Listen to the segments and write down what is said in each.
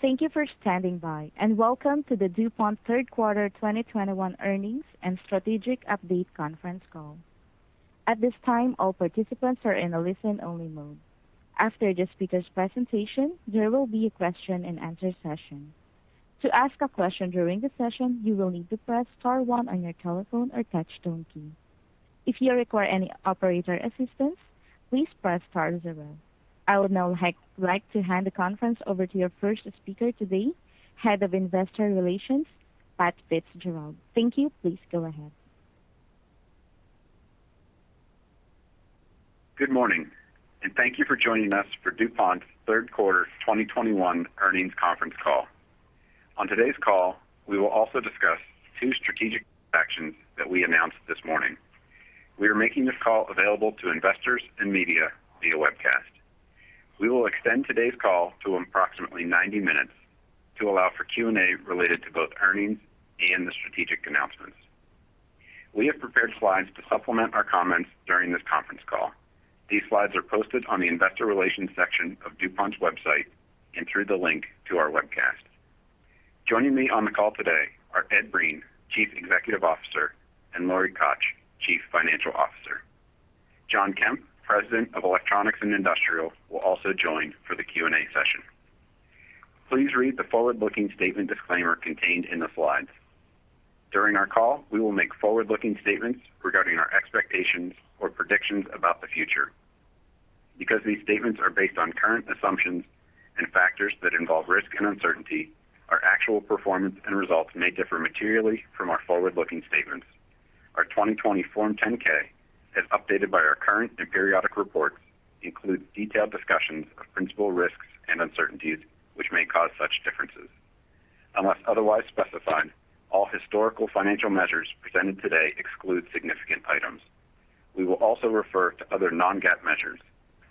Thank you for standing by, and welcome to the DuPont third quarter 2021 earnings and strategic update conference call. At this time, all participants are in a listen-only mode. After the speaker's presentation, there will be a question-and-answer session. To ask a question during the session, you will need to press star one on your telephone or touch tone key. If you require any operator assistance, please press star zero. I would now like to hand the conference over to your first speaker today, Head of Investor Relations, Pat Fitzgerald. Thank you. Please go ahead. Good morning, and thank you for joining us for DuPont's third quarter 2021 earnings conference call. On today's call, we will also discuss two strategic actions that we announced this morning. We are making this call available to investors and media via webcast. We will extend today's call to approximately 90 minutes to allow for Q&A related to both earnings and the strategic announcements. We have prepared slides to supplement our comments during this conference call. These slides are posted on the Investor Relations section of DuPont's website and through the link to our webcast. Joining me on the call today are Ed Breen, Chief Executive Officer; and Lori Koch, Chief Financial Officer. Jon Kemp, President of Electronics & Industrial, will also join for the Q&A session. Please read the forward-looking statement disclaimer contained in the slides. During our call, we will make forward-looking statements regarding our expectations or predictions about the future. Because these statements are based on current assumptions and factors that involve risk and uncertainty, our actual performance and results may differ materially from our forward-looking statements. Our 2020 Form 10-K, as updated by our current and periodic reports, includes detailed discussions of principal risks and uncertainties which may cause such differences. Unless otherwise specified, all historical financial measures presented today exclude significant items. We will also refer to other non-GAAP measures.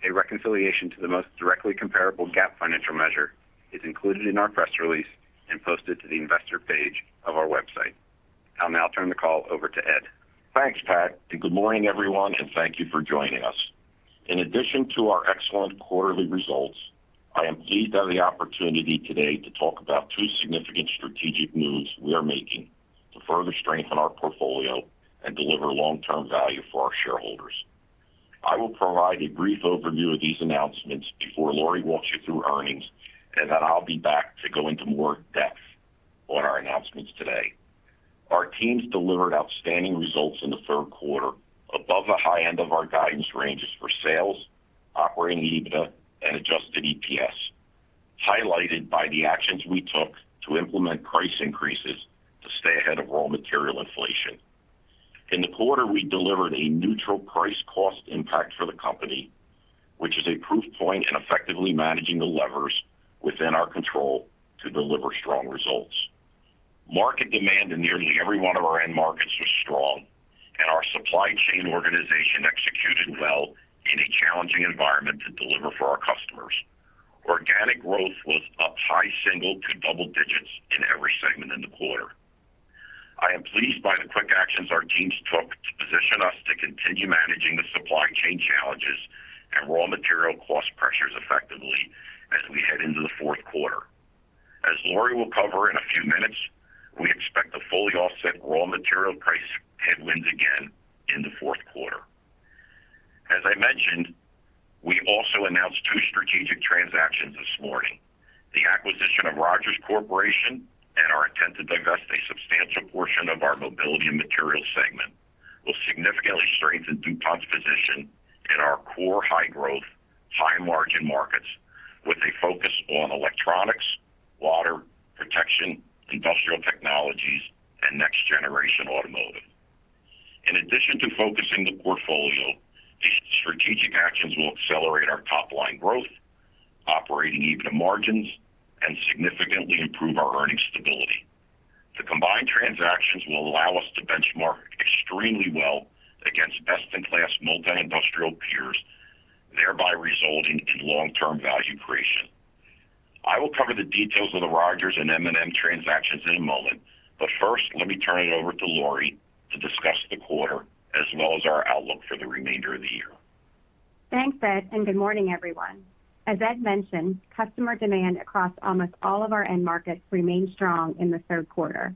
A reconciliation to the most directly comparable GAAP financial measure is included in our press release and posted to the investor page of our website. I'll now turn the call over to Ed. Thanks, Pat, and good morning, everyone, and thank you for joining us. In addition to our excellent quarterly results, I am pleased to have the opportunity today to talk about two significant strategic moves we are making to further strengthen our portfolio and deliver long-term value for our shareholders. I will provide a brief overview of these announcements before Lori walks you through earnings, and then I'll be back to go into more depth on our announcements today. Our teams delivered outstanding results in the third quarter above the high end of our guidance ranges for sales, operating EBITDA, and adjusted EPS, highlighted by the actions we took to implement price increases to stay ahead of raw material inflation. In the quarter, we delivered a neutral price cost impact for the company, which is a proof point in effectively managing the levers within our control to deliver strong results. Market demand in nearly every one of our end markets was strong, and our supply chain organization executed well in a challenging environment to deliver for our customers. Organic growth was up high single to double digits in every segment in the quarter. I am pleased by the quick actions our teams took to position us to continue managing the supply chain challenges and raw material cost pressures effectively as we head into the fourth quarter. As Lori will cover in a few minutes, we expect to fully offset raw material price headwinds again in the fourth quarter. As I mentioned, we also announced two strategic transactions this morning. The acquisition of Rogers Corporation and our intent to divest a substantial portion of our Mobility and Materials segment will significantly strengthen DuPont's position in our core high-growth, high-margin markets with a focus on electronics, water protection, industrial technologies, and next generation automotive. In addition to focusing the portfolio, these strategic actions will accelerate our top line growth, operating EBITDA margins, and significantly improve our earnings stability. The combined transactions will allow us to benchmark extremely well against best-in-class multi-industrial peers, thereby resulting in long-term value creation. I will cover the details of the Rogers and M&M transactions in a moment, but first, let me turn it over to Lori to discuss the quarter as well as our outlook for the remainder of the year. Thanks, Ed, and good morning, everyone. As Ed mentioned, customer demand across almost all of our end markets remained strong in the third quarter.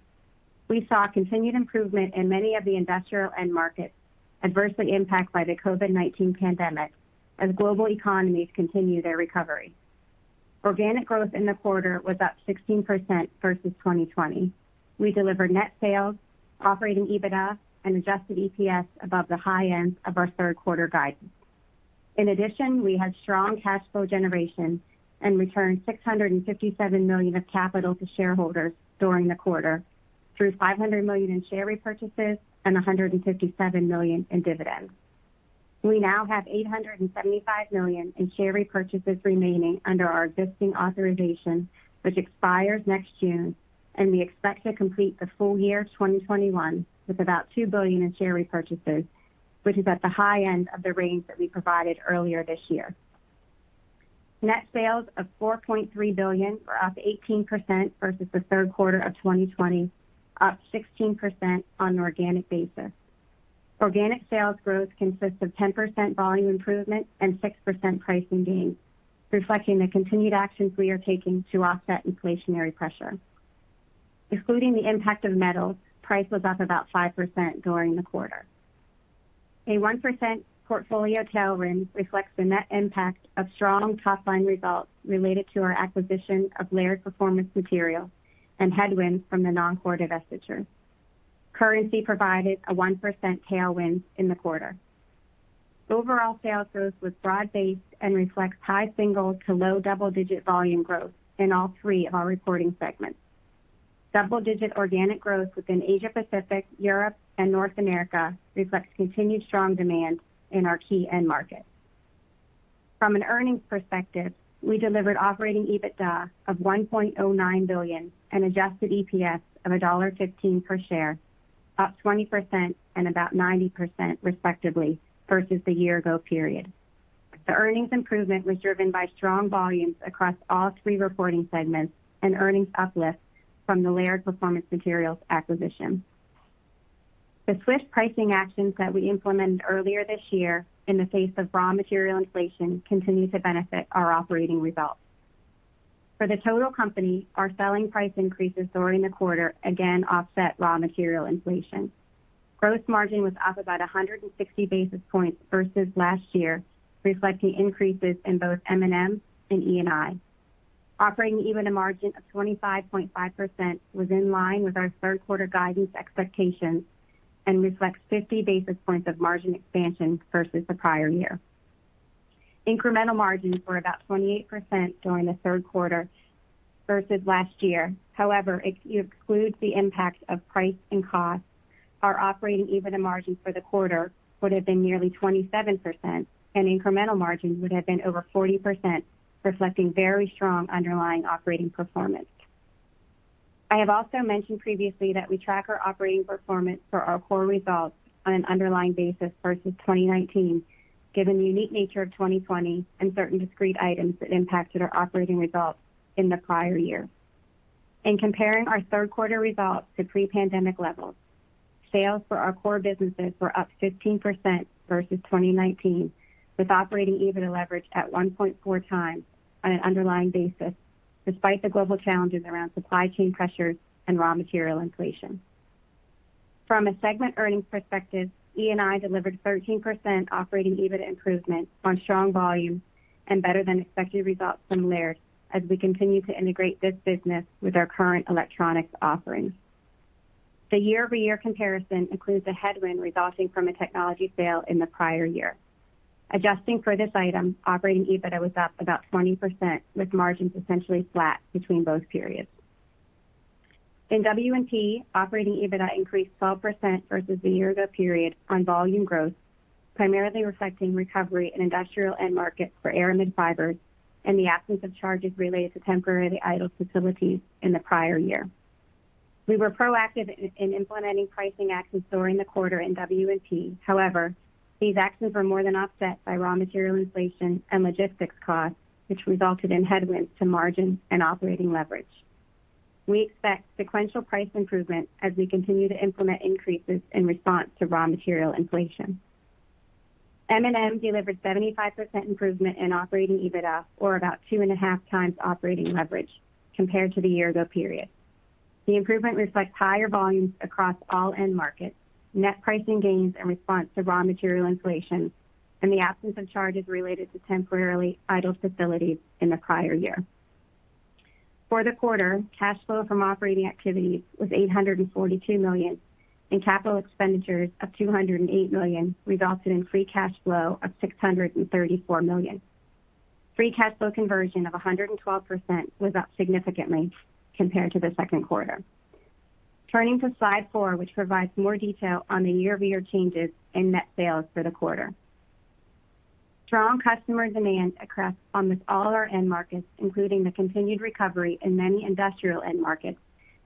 We saw continued improvement in many of the industrial end markets adversely impacted by the COVID-19 pandemic as global economies continue their recovery. Organic growth in the quarter was up 16% versus 2020. We delivered net sales, operating EBITDA and adjusted EPS above the high end of our third quarter guidance. In addition, we had strong cash flow generation and returned $657 million of capital to shareholders during the quarter through $500 million in share repurchases and $157 million in dividends. We now have $875 million in share repurchases remaining under our existing authorization, which expires next June, and we expect to complete the full year 2021 with about $2 billion in share repurchases, which is at the high end of the range that we provided earlier this year. Net sales of $4.3 billion were up 18% versus the third quarter of 2020, up 16% on an organic basis. Organic sales growth consists of 10% volume improvement and 6% pricing gains, reflecting the continued actions we are taking to offset inflationary pressure. Excluding the impact of metals, price was up about 5% during the quarter. A 1% portfolio tailwind reflects the net impact of strong top-line results related to our acquisition of Laird Performance Materials and headwinds from the non-core divestiture. Currency provided a 1% tailwind in the quarter. Overall sales growth was broad-based and reflects high single-digit to low double-digit volume growth in all three of our reporting segments. Double-digit organic growth within Asia Pacific, Europe and North America reflects continued strong demand in our key end markets. From an earnings perspective, we delivered operating EBITDA of $1.09 billion and adjusted EPS of $1.15 per share, up 20% and about 90% respectively versus the year ago period. The earnings improvement was driven by strong volumes across all three reporting segments and earnings uplift from the Laird Performance Materials acquisition. The swift pricing actions that we implemented earlier this year in the face of raw material inflation continue to benefit our operating results. For the total company, our selling price increases during the quarter again offset raw material inflation. Gross margin was up about 160 basis points versus last year, reflecting increases in both M&M and E&I. Operating EBITDA margin of 25.5% was in line with our third quarter guidance expectations and reflects 50 basis points of margin expansion versus the prior year. Incremental margins were about 28% during the third quarter versus last year. However, if you exclude the impact of price and costs, our operating EBITDA margin for the quarter would have been nearly 27% and incremental margins would have been over 40%, reflecting very strong underlying operating performance. I have also mentioned previously that we track our operating performance for our core results on an underlying basis versus 2019, given the unique nature of 2020 and certain discrete items that impacted our operating results in the prior year. In comparing our third quarter results to pre-pandemic levels, sales for our core businesses were up 15% versus 2019, with operating EBITDA leverage at 1.4x on an underlying basis, despite the global challenges around supply chain pressures and raw material inflation. From a segment earnings perspective, E&I delivered 13% operating EBITDA improvement on strong volumes and better than expected results from Laird as we continue to integrate this business with our current electronics offerings. The year-over-year comparison includes a headwind resulting from a technology sale in the prior year. Adjusting for this item, operating EBITDA was up about 20%, with margins essentially flat between both periods. In W&P, operating EBITDA increased 12% versus the year-ago period on volume growth, primarily reflecting recovery in industrial end markets for aramid fibers and the absence of charges related to temporarily idle facilities in the prior year. We were proactive in implementing pricing actions during the quarter in W&P. However, these actions were more than offset by raw material inflation and logistics costs, which resulted in headwinds to margin and operating leverage. We expect sequential price improvement as we continue to implement increases in response to raw material inflation. M&M delivered 75% improvement in operating EBITDA, or about 2.5x operating leverage compared to the year-ago period. The improvement reflects higher volumes across all end markets, net pricing gains in response to raw material inflation, and the absence of charges related to temporarily idle facilities in the prior year. For the quarter, cash flow from operating activities was $842 million, and capital expenditures of $208 million resulted in free cash flow of $634 million. Free cash flow conversion of 112% was up significantly compared to the second quarter. Turning to slide four, which provides more detail on the year-over-year changes in net sales for the quarter. Strong customer demand across almost all our end markets, including the continued recovery in many industrial end markets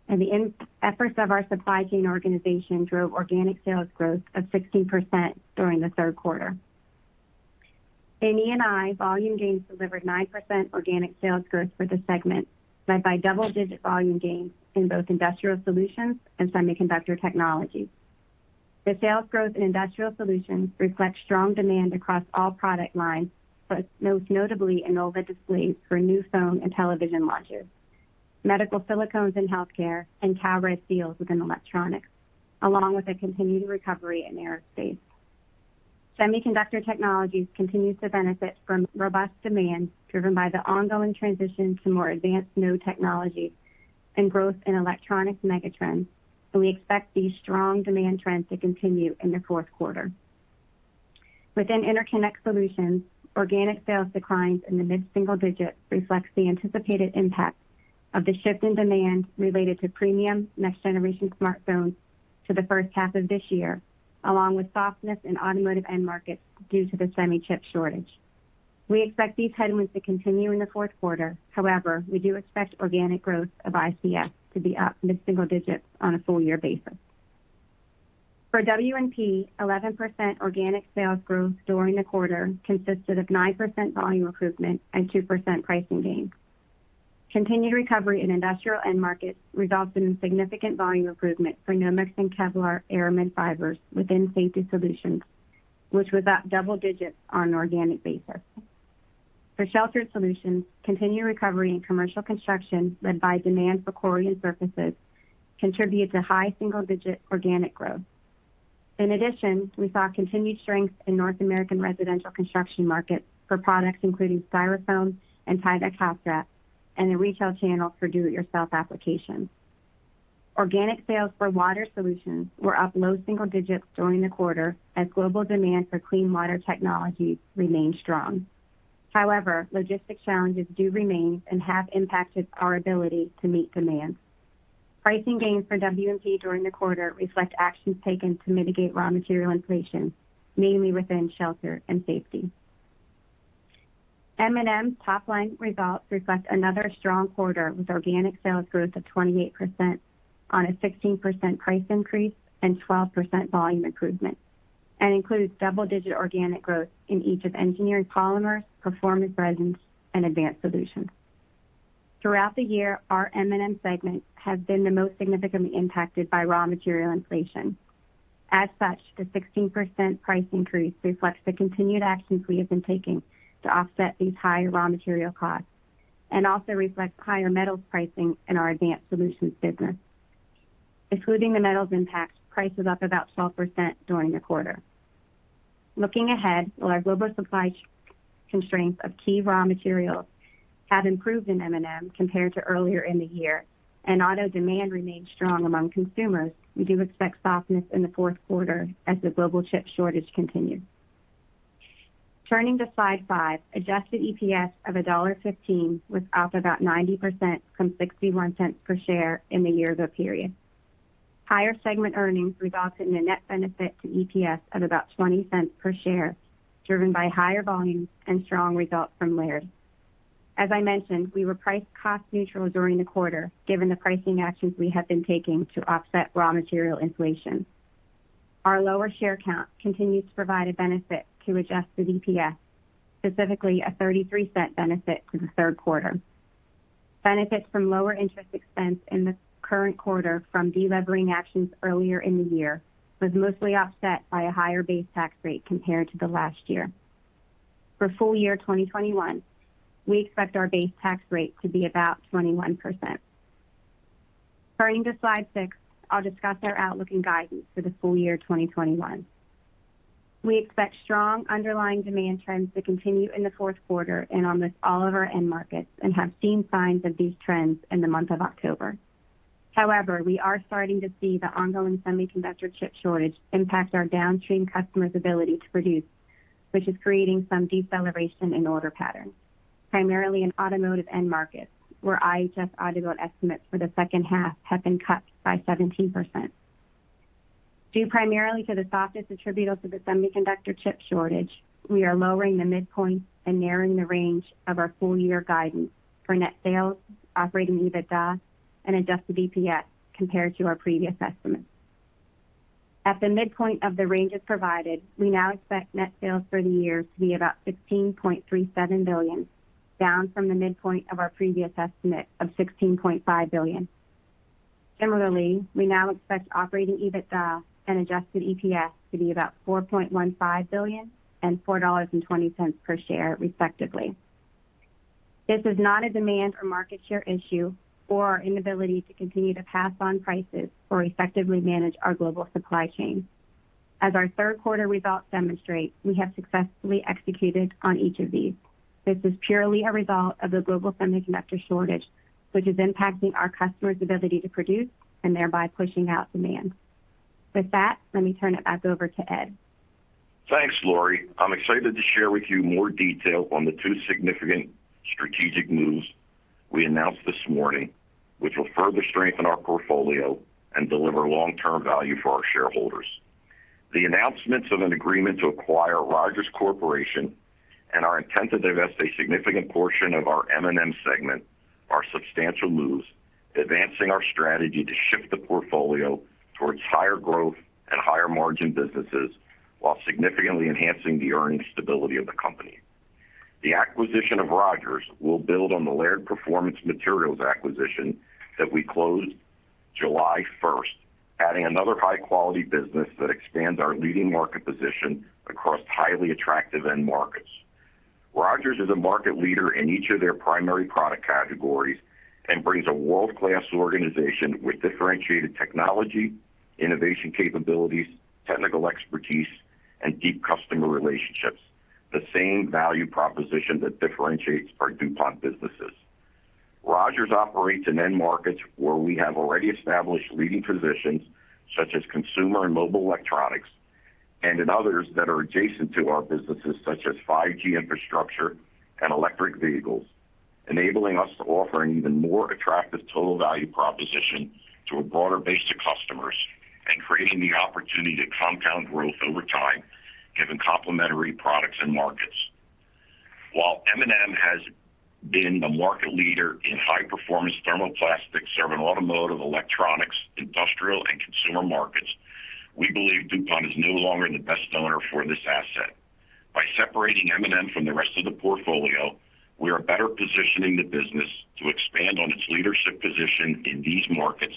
and the efforts of our supply chain organization drove organic sales growth of 16% during the third quarter. In E&I, volume gains delivered 9% organic sales growth for the segment, led by double-digit volume gains in both Industrial Solutions and Semiconductor Technologies. The sales growth in Industrial Solutions reflects strong demand across all product lines, but most notably in OLED display for new phone and television launches, medical silicones in healthcare, and Kapton seals within electronics, along with a continued recovery in aerospace. Semiconductor Technologies continues to benefit from robust demand, driven by the ongoing transition to more advanced node technologies and growth in electronics megatrends, and we expect these strong demand trends to continue in the fourth quarter. Within Interconnect Solutions, organic sales declines in the mid-single digits% reflects the anticipated impact of the shift in demand related to premium next-generation smartphones to the first half of this year, along with softness in automotive end markets due to the semiconductor chip shortage. We expect these headwinds to continue in the fourth quarter. However, we do expect organic growth of ICS to be up mid-single digits on a full-year basis. For W&P, 11% organic sales growth during the quarter consisted of 9% volume improvement and 2% pricing gains. Continued recovery in industrial end markets resulted in significant volume improvement for Nomex and Kevlar aramid fibers within Safety Solutions, which was up double digits on an organic basis. For Shelter Solutions, continued recovery in commercial construction led by demand for Corian surfaces contributed to high single-digit organic growth. In addition, we saw continued strength in North American residential construction markets for products including Styrofoam and Tyvek house wrap and the retail channel for do-it-yourself applications. Organic sales for Water Solutions were up low single digits during the quarter as global demand for clean water technologies remained strong. However, logistics challenges do remain and have impacted our ability to meet demand. Pricing gains for W&P during the quarter reflect actions taken to mitigate raw material inflation, mainly within Shelter and Safety. M&M's top-line results reflect another strong quarter with organic sales growth of 28% on a 16% price increase and 12% volume improvement, and includes double-digit organic growth in each of Engineered Polymers, Performance Resins, and Advanced Solutions. Throughout the year, our M&M segment has been the most significantly impacted by raw material inflation. As such, the 16% price increase reflects the continued actions we have been taking to offset these higher raw material costs and also reflects higher metals pricing in our Advanced Solutions business. Excluding the metals impact, price is up about 12% during the quarter. Looking ahead, while our global supply constraints of key raw materials have improved in M&M compared to earlier in the year and auto demand remains strong among consumers, we do expect softness in the fourth quarter as the global chip shortage continues. Turning to slide five, adjusted EPS of $1.15 was up about 90% from $0.61 per share in the year-ago period. Higher segment earnings resulted in a net benefit to EPS of about $0.20 per share, driven by higher volumes and strong results from Laird. As I mentioned, we were price cost neutral during the quarter, given the pricing actions we have been taking to offset raw material inflation. Our lower share count continues to provide a benefit to adjusted EPS, specifically a $0.33 benefit to the third quarter. Benefits from lower interest expense in the current quarter from delevering actions earlier in the year was mostly offset by a higher base tax rate compared to the last year. For full year 2021, we expect our base tax rate to be about 21%. Turning to slide six, I'll discuss our outlook and guidance for the full year 2021. We expect strong underlying demand trends to continue in the fourth quarter and almost all of our end markets, and have seen signs of these trends in the month of October. However, we are starting to see the ongoing semiconductor chip shortage impact our downstream customers' ability to produce, which is creating some deceleration in order patterns, primarily in automotive end markets, where IHS auto build estimates for the second half have been cut by 17%. Due primarily to the softness attributable to the semiconductor chip shortage, we are lowering the midpoint and narrowing the range of our full year guidance for net sales, operating EBITDA, and adjusted EPS compared to our previous estimates. At the midpoint of the ranges provided, we now expect net sales for the year to be about $15.37 billion, down from the midpoint of our previous estimate of $16.5 billion. Similarly, we now expect operating EBITDA and adjusted EPS to be about $4.15 billion and $4.20 per share, respectively. This is not a demand or market share issue or our inability to continue to pass on prices or effectively manage our global supply chain. As our third quarter results demonstrate, we have successfully executed on each of these. This is purely a result of the global semiconductor shortage, which is impacting our customers' ability to produce and thereby pushing out demand. With that, let me turn it back over to Ed. Thanks, Lori. I'm excited to share with you more detail on the two significant strategic moves we announced this morning, which will further strengthen our portfolio and deliver long-term value for our shareholders. The announcements of an agreement to acquire Rogers Corporation and our intent to divest a significant portion of our M&M segment are substantial moves, advancing our strategy to shift the portfolio towards higher growth and higher margin businesses, while significantly enhancing the earnings stability of the company. The acquisition of Rogers will build on the Laird Performance Materials acquisition that we closed July 1st, adding another high-quality business that expands our leading market position across highly attractive end markets. Rogers is a market leader in each of their primary product categories and brings a world-class organization with differentiated technology, innovation capabilities, technical expertise, and deep customer relationships, the same value proposition that differentiates our DuPont businesses. Rogers operates in end markets where we have already established leading positions, such as consumer and mobile electronics, and in others that are adjacent to our businesses such as 5G infrastructure and electric vehicles, enabling us to offer an even more attractive total value proposition to a broader base of customers and creating the opportunity to compound growth over time, given complementary products and markets. While M&M has been the market leader in high-performance thermoplastics serving automotive, electronics, industrial, and consumer markets, we believe DuPont is no longer the best owner for this asset. By separating M&M from the rest of the portfolio, we are better positioning the business to expand on its leadership position in these markets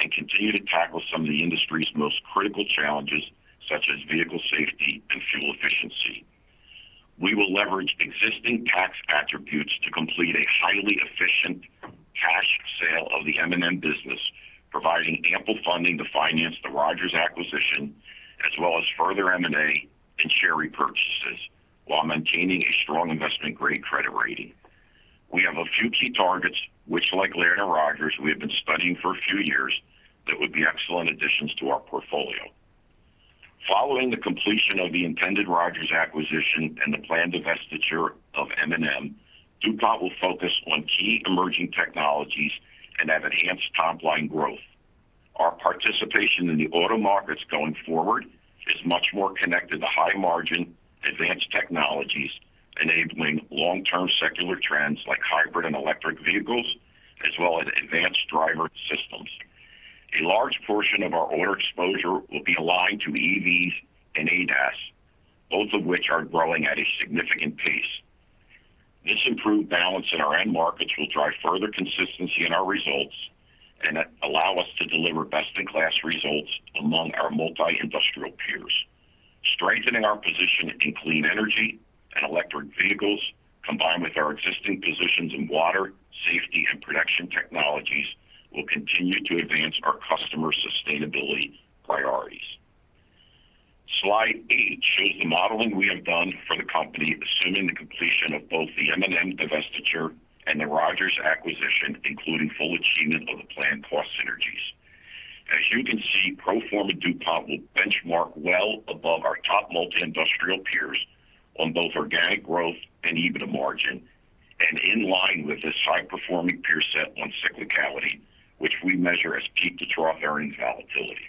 and continue to tackle some of the industry's most critical challenges, such as vehicle safety and fuel efficiency. We will leverage existing tax attributes to complete a highly efficient cash sale of the M&M business, providing ample funding to finance the Rogers acquisition, as well as further M&A and share repurchases while maintaining a strong investment grade credit rating. We have a few key targets, which, like Rogers, we have been studying for a few years that would be excellent additions to our portfolio. Following the completion of the intended Rogers acquisition and the planned divestiture of M&M, DuPont will focus on key emerging technologies and have enhanced top-line growth. Our participation in the auto markets going forward is much more connected to high margin advanced technologies, enabling long-term secular trends like hybrid and electric vehicles, as well as advanced driver assistance systems. A large portion of our auto exposure will be aligned to EVs and ADAS, both of which are growing at a significant pace. This improved balance in our end markets will drive further consistency in our results and allow us to deliver best-in-class results among our multi-industrial peers. Strengthening our position in clean energy and electric vehicles, combined with our existing positions in water, safety, and production technologies, will continue to advance our customer sustainability priorities. Slide eight shows the modeling we have done for the company, assuming the completion of both the M&M divestiture and the Rogers acquisition, including full achievement of the planned cost synergies. As you can see, pro forma DuPont will benchmark well above our top multi-industrial peers on both organic growth and EBITDA margin and in line with this high-performing peer set on cyclicality, which we measure as peak-to-trough earnings volatility.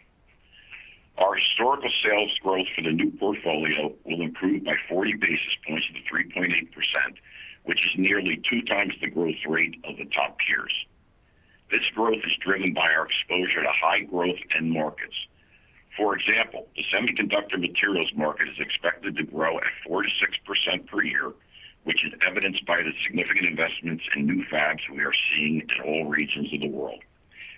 Our historical sales growth for the new portfolio will improve by 40 basis points to 3.8%, which is nearly two times the growth rate of the top peers. This growth is driven by our exposure to high growth end markets. For example, the semiconductor materials market is expected to grow at 4%-6% per year, which is evidenced by the significant investments in new fabs we are seeing in all regions of the world.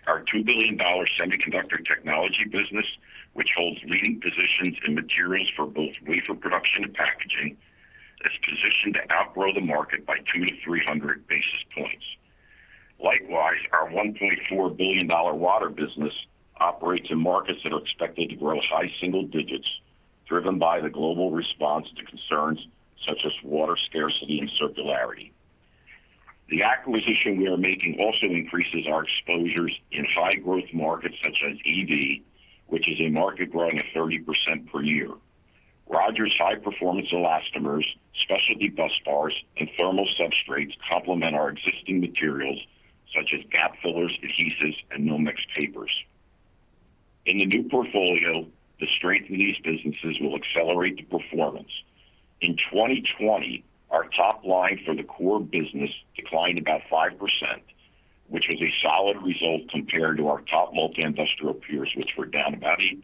Our $2 billion semiconductor technology business, which holds leading positions in materials for both wafer production and packaging, is positioned to outgrow the market by 200-300 basis points. Likewise, our $1.4 billion water business operates in markets that are expected to grow high single digits, driven by the global response to concerns such as water scarcity and circularity. The acquisition we are making also increases our exposures in high growth markets such as EV, which is a market growing at 30% per year. Rogers high-performance elastomers, specialty busbars, and thermal substrates complement our existing materials such as gap fillers, adhesives, and Nomex papers. In the new portfolio, the strength of these businesses will accelerate the performance. In 2020, our top line for the core business declined about 5%, which was a solid result compared to our top multi-industrial peers, which were down about 8%.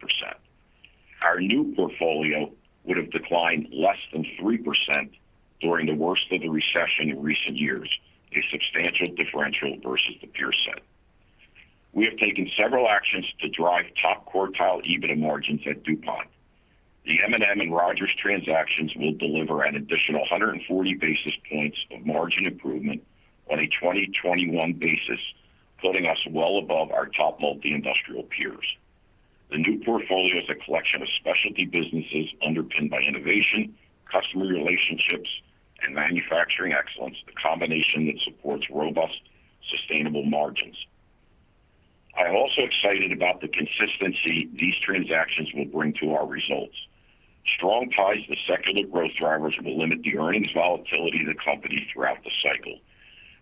Our new portfolio would have declined less than 3% during the worst of the recession in recent years, a substantial differential versus the peer set. We have taken several actions to drive top quartile EBITDA margins at DuPont. The M&M and Rogers transactions will deliver an additional 140 basis points of margin improvement on a 2021 basis, putting us well above our top multi-industrial peers. The new portfolio is a collection of specialty businesses underpinned by innovation, customer relationships, and manufacturing excellence, a combination that supports robust, sustainable margins. I'm also excited about the consistency these transactions will bring to our results. Strong ties to secular growth drivers will limit the earnings volatility of the company throughout the cycle.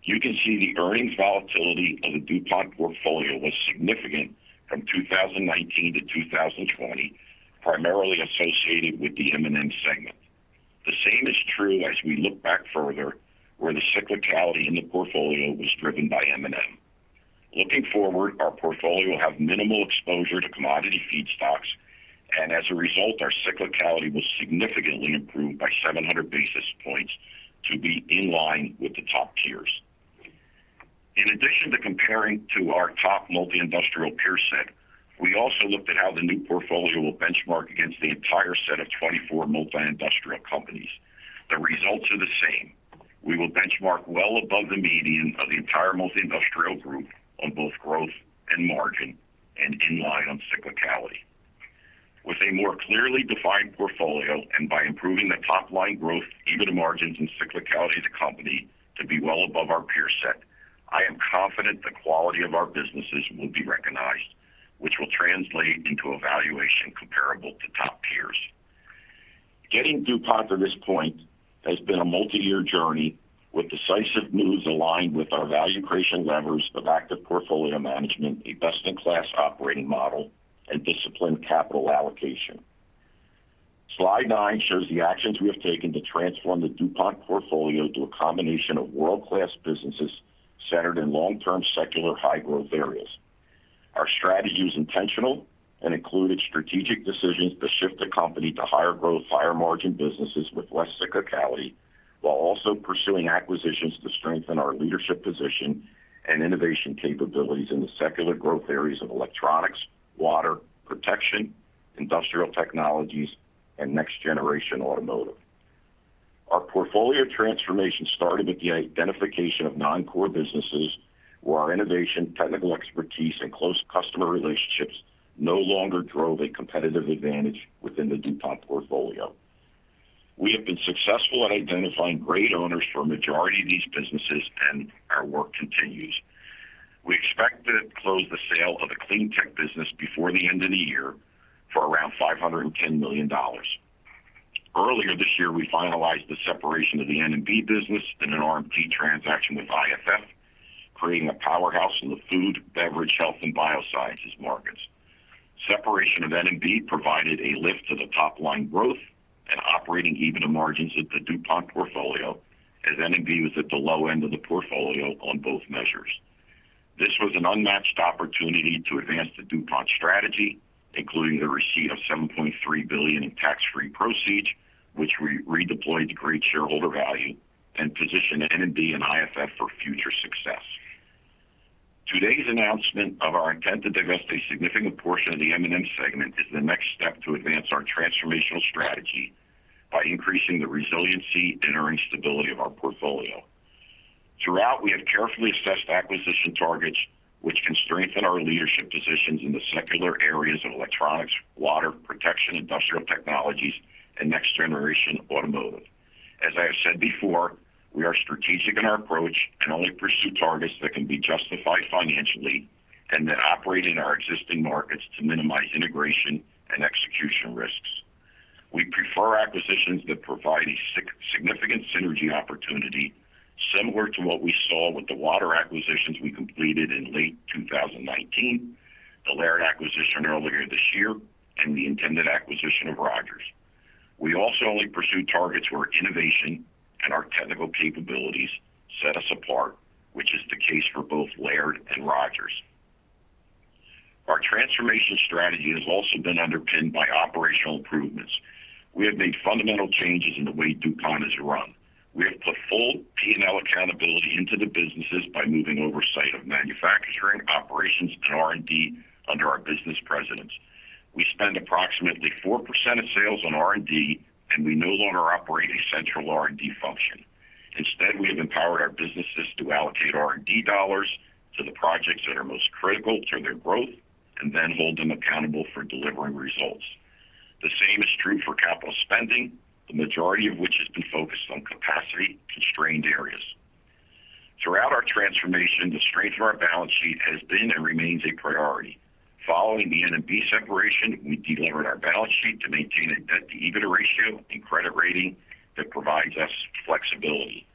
You can see the earnings volatility of the DuPont portfolio was significant from 2019 to 2020, primarily associated with the M&M segment. The same is true as we look back further, where the cyclicality in the portfolio was driven by M&M. Looking forward, our portfolio will have minimal exposure to commodity feedstocks, and as a result, our cyclicality will significantly improve by 700 basis points to be in line with the top peers. In addition to comparing to our top multi-industrial peer set, we also looked at how the new portfolio will benchmark against the entire set of 24 multi-industrial companies. The results are the same. We will benchmark well above the median of the entire multi-industrial group on both growth and margin and in line on cyclicality. With a more clearly defined portfolio and by improving the top-line growth, EBITDA margins, and cyclicality of the company to be well above our peer set, I am confident the quality of our businesses will be recognized, which will translate into a valuation comparable to top peers. Getting DuPont to this point has been a multi-year journey with decisive moves aligned with our value creation levers of active portfolio management, a best-in-class operating model, and disciplined capital allocation. Slide nine shows the actions we have taken to transform the DuPont portfolio to a combination of world-class businesses centered in long-term secular high-growth areas. Our strategy was intentional and included strategic decisions to shift the company to higher growth, higher margin businesses with less cyclicality, while also pursuing acquisitions to strengthen our leadership position and innovation capabilities in the secular growth areas of electronics, water, protection, industrial technologies, and next generation automotive. Our portfolio transformation started with the identification of non-core businesses where our innovation, technical expertise, and close customer relationships no longer drove a competitive advantage within the DuPont portfolio. We have been successful at identifying great owners for a majority of these businesses, and our work continues. We expect to close the sale of the Clean Technologies business before the end of the year for around $510 million. Earlier this year, we finalized the separation of the N&B business in an RMT transaction with IFF, creating a powerhouse in the food, beverage, health, and biosciences markets. Separation of N&B provided a lift to the top line growth and operating EBITDA margins at the DuPont portfolio, as N&B was at the low end of the portfolio on both measures. This was an unmatched opportunity to advance the DuPont strategy, including the receipt of $7.3 billion in tax-free proceeds, which we redeployed to create shareholder value and position N&B and IFF for future success. Today's announcement of our intent to divest a significant portion of the M&M segment is the next step to advance our transformational strategy by increasing the resiliency and earning stability of our portfolio. Throughout, we have carefully assessed acquisition targets which can strengthen our leadership positions in the secular areas of electronics, water, protection, industrial technologies, and next generation automotive. As I have said before, we are strategic in our approach and only pursue targets that can be justified financially and that operate in our existing markets to minimize integration and execution risks. We prefer acquisitions that provide a significant synergy opportunity similar to what we saw with the water acquisitions we completed in late 2019, the Laird acquisition earlier this year, and the intended acquisition of Rogers. We also only pursue targets where innovation and our technical capabilities set us apart, which is the case for both Laird and Rogers. Our transformation strategy has also been underpinned by operational improvements. We have made fundamental changes in the way DuPont is run. We have put full P&L accountability into the businesses by moving oversight of manufacturing, operations, and R&D under our business presidents. We spend approximately 4% of sales on R&D, and we no longer operate a central R&D function. Instead, we have empowered our businesses to allocate R&D dollars to the projects that are most critical to their growth and then hold them accountable for delivering results. The same is true for capital spending, the majority of which has been focused on capacity constrained areas. Throughout our transformation, the strength of our balance sheet has been and remains a priority. Following the N&B separation, we delevered our balance sheet to maintain a debt-to-EBITDA ratio and credit rating that provides us flexibility.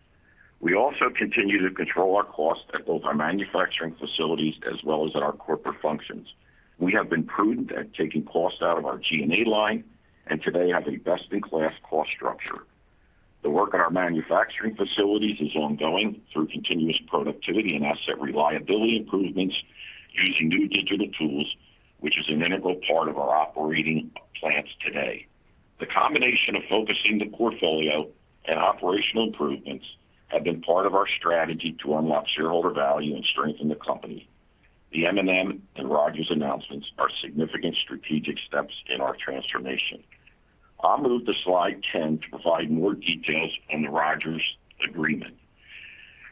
We also continue to control our costs at both our manufacturing facilities as well as at our corporate functions. We have been prudent at taking costs out of our G&A line and today have a best-in-class cost structure. The work at our manufacturing facilities is ongoing through continuous productivity and asset reliability improvements using new digital tools, which is an integral part of our operating plants today. The combination of focusing the portfolio and operational improvements have been part of our strategy to unlock shareholder value and strengthen the company. The M&M and Rogers announcements are significant strategic steps in our transformation. I'll move to slide 10 to provide more details on the Rogers agreement.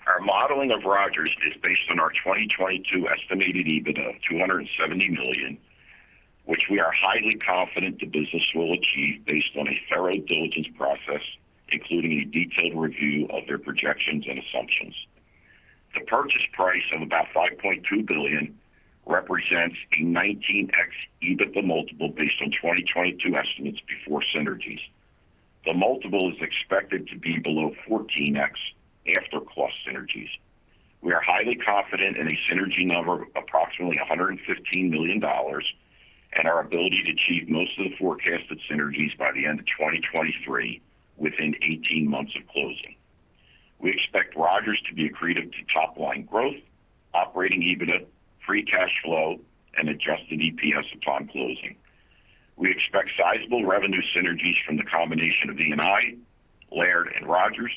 Our modeling of Rogers is based on our 2022 estimated EBITDA of $270 million, which we are highly confident the business will achieve based on a thorough diligence process, including a detailed review of their projections and assumptions. The purchase price of about $5.2 billion represents a 19x EBITDA multiple based on 2022 estimates before synergies. The multiple is expected to be below 14x after cost synergies. We are highly confident in a synergy number of approximately $115 million and our ability to achieve most of the forecasted synergies by the end of 2023 within 18 months of closing. We expect Rogers to be accretive to top line growth, operating EBITDA, free cash flow, and adjusted EPS upon closing. We expect sizable revenue synergies from the combination of DNI, Laird, and Rogers.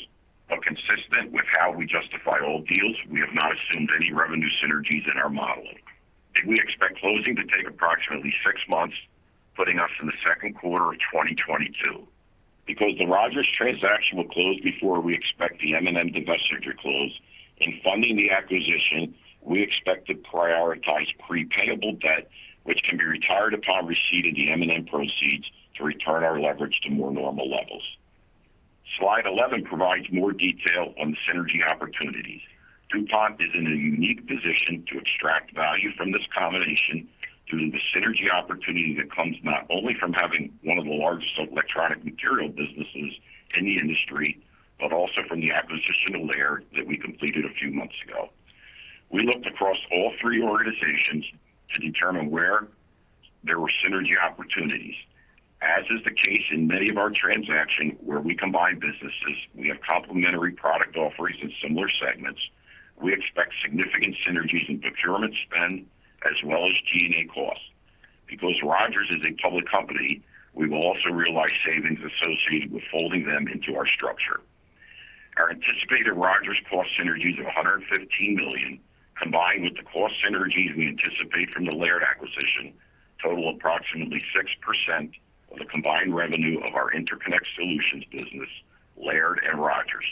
Consistent with how we justify all deals, we have not assumed any revenue synergies in our modeling. We expect closing to take approximately six months, putting us in the second quarter of 2022. Because the Rogers transaction will close before we expect the M&M divestiture to close, in funding the acquisition, we expect to prioritize prepayable debt, which can be retired upon receipt of the M&M proceeds to return our leverage to more normal levels. Slide 11 provides more detail on the synergy opportunities. DuPont is in a unique position to extract value from this combination due to the synergy opportunity that comes not only from having one of the largest electronic material businesses in the industry, but also from the acquisition of Laird that we completed a few months ago. We looked across all three organizations to determine where there were synergy opportunities. As is the case in many of our transactions where we combine businesses, we have complementary product offerings in similar segments. We expect significant synergies in procurement spend as well as G&A costs. Because Rogers is a public company, we will also realize savings associated with folding them into our structure. Our anticipated Rogers cost synergies of $115 million, combined with the cost synergies we anticipate from the Laird acquisition, total approximately 6% of the combined revenue of our Interconnect Solutions business, Laird and Rogers,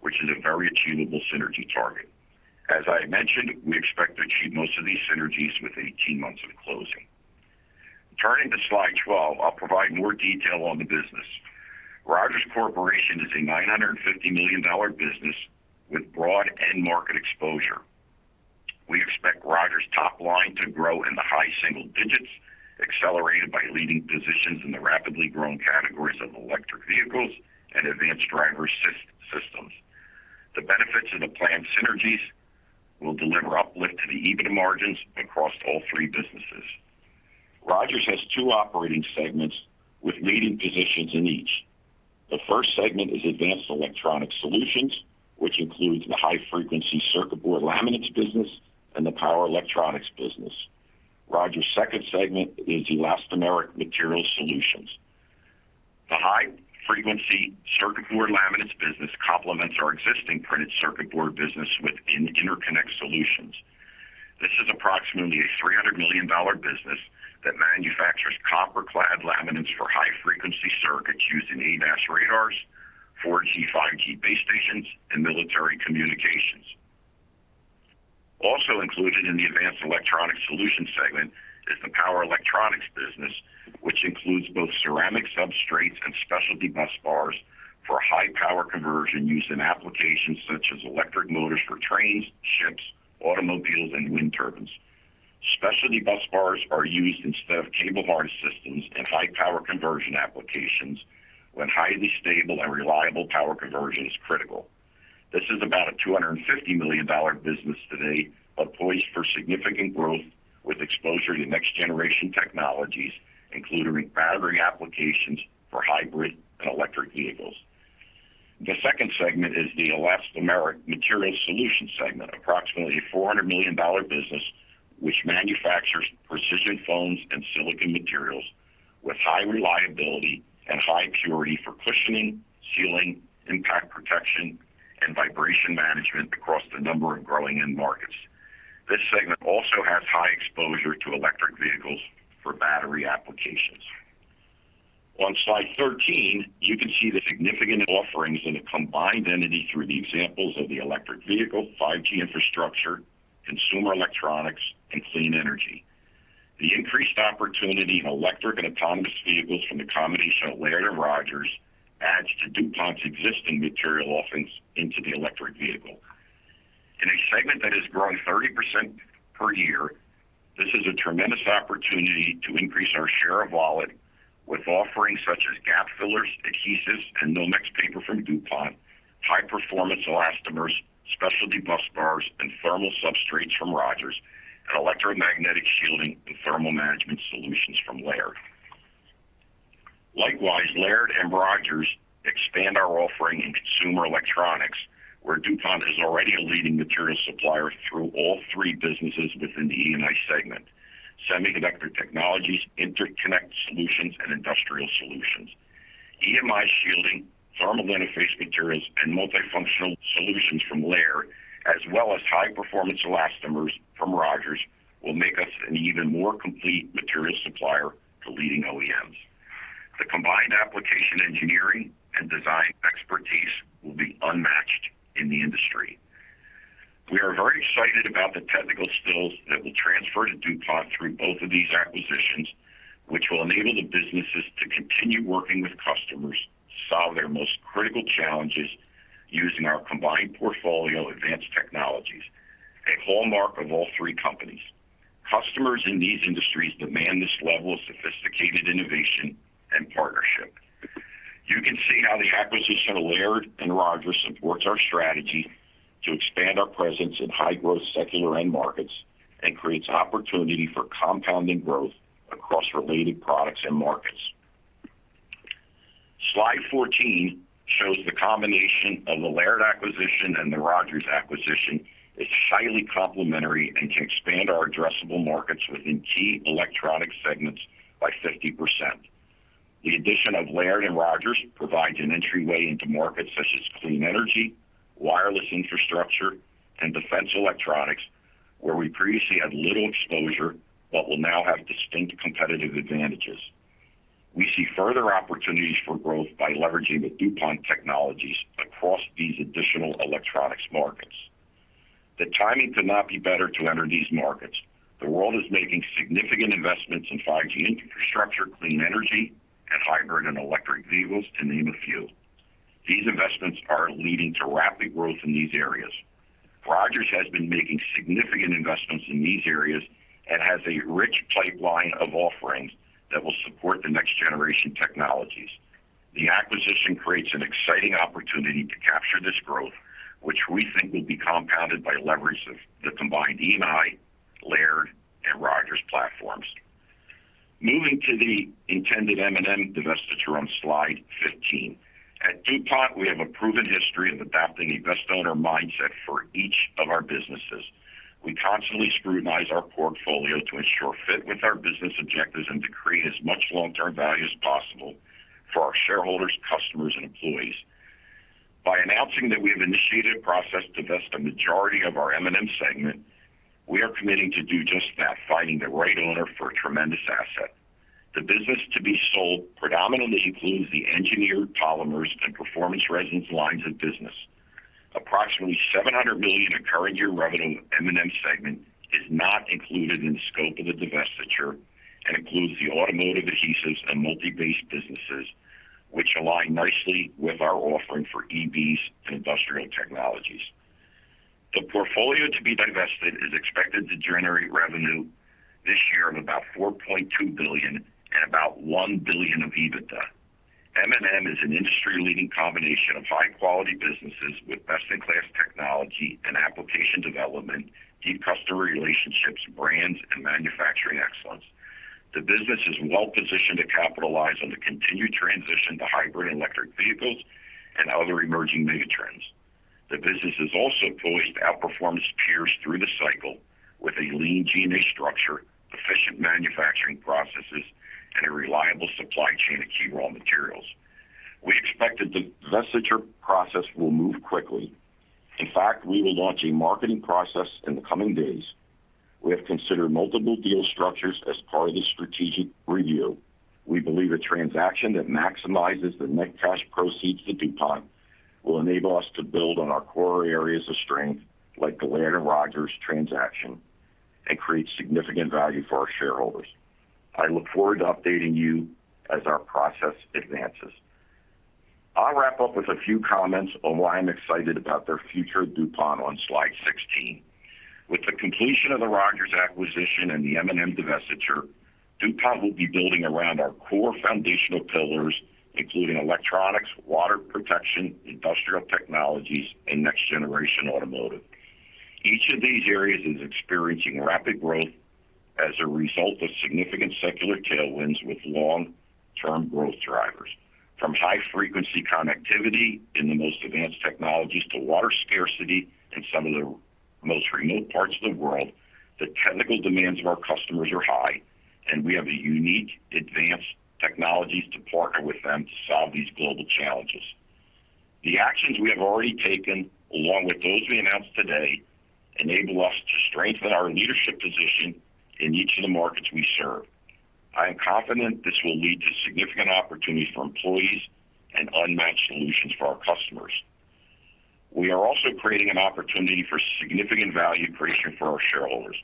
which is a very achievable synergy target. As I mentioned, we expect to achieve most of these synergies within 18 months of closing. Turning to slide 12, I'll provide more detail on the business. Rogers Corporation is a $950 million business with broad end market exposure. We expect Rogers' top line to grow in the high single digits, accelerated by leading positions in the rapidly growing categories of electric vehicles and advanced driver systems. The benefits of the planned synergies will deliver uplift to the EBIT margins across all three businesses. Rogers has two operating segments with leading positions in each. The first segment is Advanced Electronic Solutions, which includes the high-frequency circuit board laminates business and the power electronics business. Rogers' second segment is Elastomeric Materials Solutions. The high-frequency circuit board laminates business complements our existing printed circuit board business within Interconnect Solutions. This is approximately a $300 million business that manufactures copper clad laminates for high-frequency circuits used in ADAS radars, 4G, 5G base stations, and military communications. Also included in the Advanced Electronic Solutions segment is the power electronics business, which includes both ceramic substrates and specialty busbars for high-power conversion used in applications such as electric motors for trains, ships, automobiles, and wind turbines. Specialty busbars are used instead of cable bar systems in high power conversion applications when highly stable and reliable power conversion is critical. This is about a $250 million business today, but poised for significant growth with exposure to next-generation technologies, including battery applications for hybrid and electric vehicles. The second segment is the Elastomeric Materials Solutions segment, approximately a $400 million business which manufactures precision foams and silicon materials with high reliability and high purity for cushioning, sealing, impact protection, and vibration management across a number of growing end markets. This segment also has high exposure to electric vehicles for battery applications. On slide 13, you can see the significant offerings in a combined entity through the examples of the electric vehicle, 5G infrastructure, consumer electronics, and clean energy. The increased opportunity in electric and autonomous vehicles from the combination of Laird and Rogers adds to DuPont's existing material offerings into the electric vehicle. In a segment that is growing 30% per year, this is a tremendous opportunity to increase our share of wallet with offerings such as gap fillers, adhesives, and Nomex paper from DuPont, high-performance elastomers, specialty busbars, and thermal substrates from Rogers, and electromagnetic shielding and thermal management solutions from Laird. Likewise, Laird and Rogers expand our offering in consumer electronics, where DuPont is already a leading material supplier through all three businesses within the E&I segment, Semiconductor Technologies, Interconnect Solutions, and Industrial Solutions. EMI shielding, thermal interface materials, and multifunctional solutions from Laird, as well as high-performance elastomers from Rogers, will make us an even more complete material supplier to leading OEMs. The combined application engineering and design expertise will be unmatched in the industry. We are very excited about the technical skills that will transfer to DuPont through both of these acquisitions, which will enable the businesses to continue working with customers to solve their most critical challenges using our combined portfolio advanced technologies, a hallmark of all three companies. Customers in these industries demand this level of sophisticated innovation and partnership. You can see how the acquisition of Laird and Rogers supports our strategy to expand our presence in high-growth secular end markets and creates opportunity for compounding growth across related products and markets. Slide 14 shows the combination of the Laird acquisition and the Rogers acquisition is highly complementary and can expand our addressable markets within key electronic segments by 50%. The addition of Laird and Rogers provides an entryway into markets such as clean energy, wireless infrastructure, and defense electronics, where we previously had little exposure but will now have distinct competitive advantages. We see further opportunities for growth by leveraging the DuPont technologies across these additional electronics markets. The timing could not be better to enter these markets. The world is making significant investments in 5G infrastructure, clean energy, and hybrid and electric vehicles, to name a few. These investments are leading to rapid growth in these areas. Rogers has been making significant investments in these areas and has a rich pipeline of offerings. That will support the next generation technologies. The acquisition creates an exciting opportunity to capture this growth, which we think will be compounded by leverage of the combined E&I, Laird, and Rogers platforms. Moving to the intended M&M divestiture on slide 15. At DuPont, we have a proven history of adopting a best owner mindset for each of our businesses. We constantly scrutinize our portfolio to ensure fit with our business objectives and to create as much long-term value as possible for our shareholders, customers, and employees. By announcing that we have initiated a process to divest a majority of our M&M segment, we are committing to do just that, finding the right owner for a tremendous asset. The business to be sold predominantly includes the Engineered Polymers and Performance Resins lines of business. Approximately $700 million in current year revenue of M&M segment is not included in the scope of the divestiture and includes the automotive adhesives and multi-based businesses, which align nicely with our offering for EVs and industrial technologies. The portfolio to be divested is expected to generate revenue this year of about $4.2 billion and about $1 billion of EBITDA. M&M is an industry-leading combination of high-quality businesses with best-in-class technology and application development, deep customer relationships, brands, and manufacturing excellence. The business is well positioned to capitalize on the continued transition to hybrid and electric vehicles and other emerging mega trends. The business is also poised to outperform its peers through the cycle with a lean G&A structure, efficient manufacturing processes, and a reliable supply chain of key raw materials. We expect that the divestiture process will move quickly. In fact, we will launch a marketing process in the coming days. We have considered multiple deal structures as part of the strategic review. We believe a transaction that maximizes the net cash proceeds to DuPont will enable us to build on our core areas of strength, like the Laird and Rogers transaction, and create significant value for our shareholders. I look forward to updating you as our process advances. I'll wrap up with a few comments on why I'm excited about the future of DuPont on slide 16. With the completion of the Rogers acquisition and the M&M divestiture, DuPont will be building around our core foundational pillars, including electronics, water protection, industrial technologies, and next generation automotive. Each of these areas is experiencing rapid growth as a result of significant secular tailwinds with long-term growth drivers. From high frequency connectivity in the most advanced technologies to water scarcity in some of the most remote parts of the world, the technical demands of our customers are high, and we have the unique advanced technologies to partner with them to solve these global challenges. The actions we have already taken, along with those we announced today, enable us to strengthen our leadership position in each of the markets we serve. I am confident this will lead to significant opportunities for employees and unmatched solutions for our customers. We are also creating an opportunity for significant value creation for our shareholders.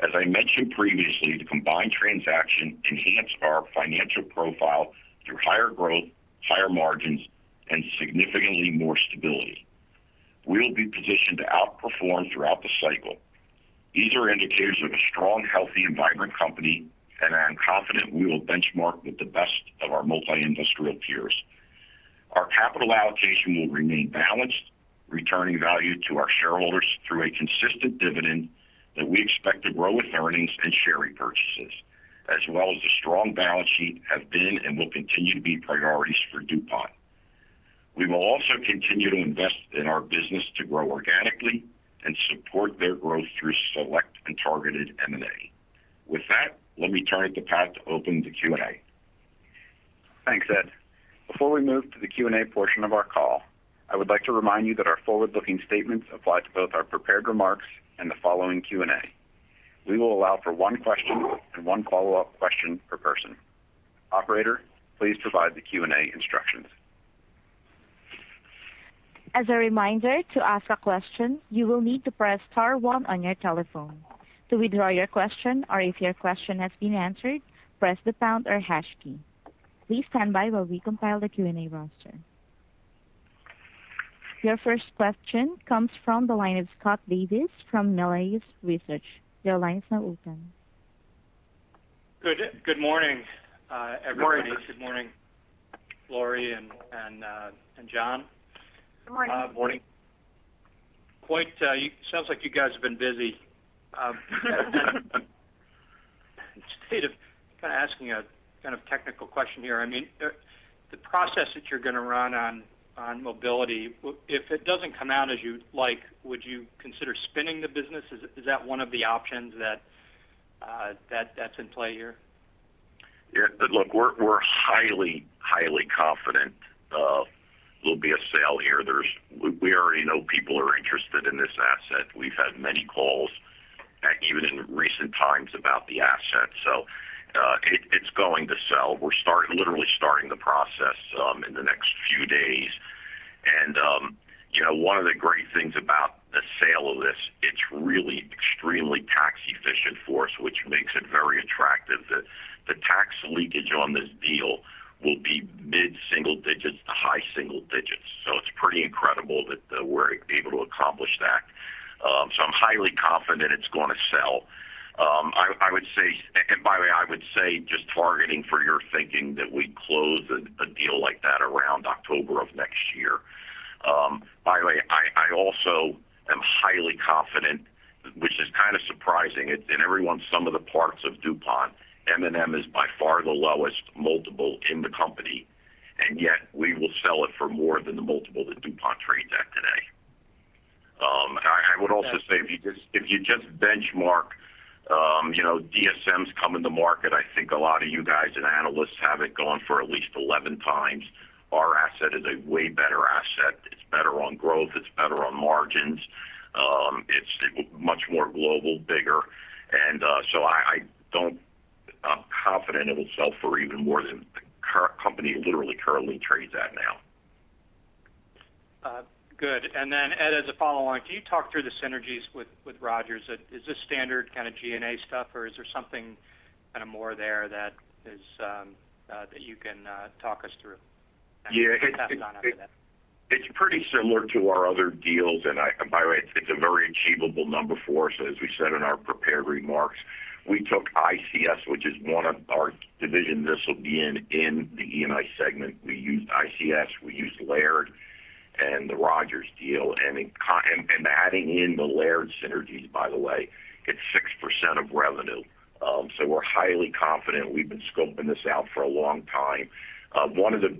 As I mentioned previously, the combined transaction enhanced our financial profile through higher growth, higher margins, and significantly more stability. We'll be positioned to outperform throughout the cycle. These are indicators of a strong, healthy and vibrant company, and I am confident we will benchmark with the best of our multi-industrial peers. Our capital allocation will remain balanced, returning value to our shareholders through a consistent dividend that we expect to grow with earnings and share repurchases, as well as the strong balance sheet, have been and will continue to be priorities for DuPont. We will also continue to invest in our business to grow organically and support their growth through select and targeted M&A. With that, let me turn it to Pat to open the Q&A. Thanks, Ed. Before we move to the Q&A portion of our call, I would like to remind you that our forward-looking statements apply to both our prepared remarks and the following Q&A. We will allow for one question and one follow-up question per person. Operator, please provide the Q&A instructions. As a reminder, to ask a question, you will need to press star one on your telephone. To withdraw your question or if your question has been answered, press the pound or hash key. Please stand by while we compile the Q&A roster. Your first question comes from the line of Scott Davis from Melius Research. Your line is now open. Good morning, everybody. Good morning. Good morning, Lori and Jon. Good morning. Morning. Right, sounds like you guys have been busy. Instead of kind of asking a kind of technical question here, I mean, the process that you're gonna run on mobility, if it doesn't come out as you'd like, would you consider spinning the business? Is that one of the options that's in play here? Yeah, look, we're highly confident there'll be a sale here. We already know people are interested in this asset. We've had many calls, even in recent times about the asset. It's going to sell. We're literally starting the process in the next few days. You know, one of the great things about the sale of this, it's really extremely tax efficient for us, which makes it very attractive. The tax leakage on this deal will be mid-single digits to high single digits. It's pretty incredible that we're able to accomplish that. I'm highly confident it's going to sell. I would say, and by the way, I would say just targeting for your thinking that we close a deal like that around October of next year. By the way, I also am highly confident, which is kind of surprising, it's in every sum-of-the-parts of DuPont, M&M is by far the lowest multiple in the company, and yet we will sell it for more than the multiple that DuPont trades at today. I would also say if you just benchmark, you know, DSM's coming to the market, I think a lot of you guys and analysts have it going for at least 11x. Our asset is a way better asset. It's better on growth, it's better on margins. It's much more global, bigger. I'm confident it will sell for even more than the company literally currently trades at now. Good. Ed, as a follow-on, can you talk through the synergies with Rogers? Is this standard kind of G&A stuff, or is there something kind of more there that you can talk us through? Yeah. It's pretty similar to our other deals. By the way, it's a very achievable number for us. As we said in our prepared remarks, we took ICS, which is one of our division this will be in the E&I segment. We used ICS, we used Laird and the Rogers deal. Adding in the Laird synergies, by the way, it's 6% of revenue. We're highly confident. We've been scoping this out for a long time. One of the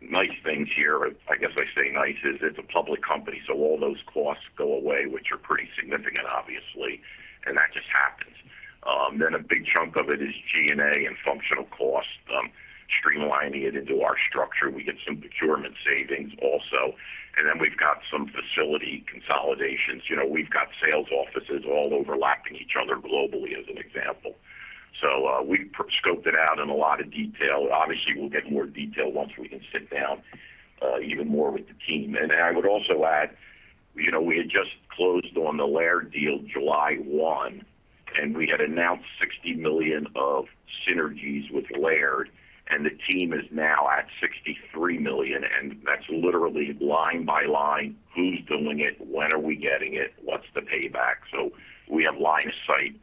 nice things here, I guess I say nice, is it's a public company, so all those costs go away, which are pretty significant, obviously, and that just happens. A big chunk of it is G&A and functional costs, streamlining it into our structure. We get some procurement savings also. We've got some facility consolidations. You know, we've got sales offices all overlapping each other globally as an example. We pre-scoped it out in a lot of detail. Obviously, we'll get more detail once we can sit down even more with the team. I would also add, you know, we had just closed on the Laird deal July 1, and we had announced $60 million of synergies with Laird, and the team is now at $63 million, and that's literally line by line, who's doing it? When are we getting it? What's the payback? We have line of sight,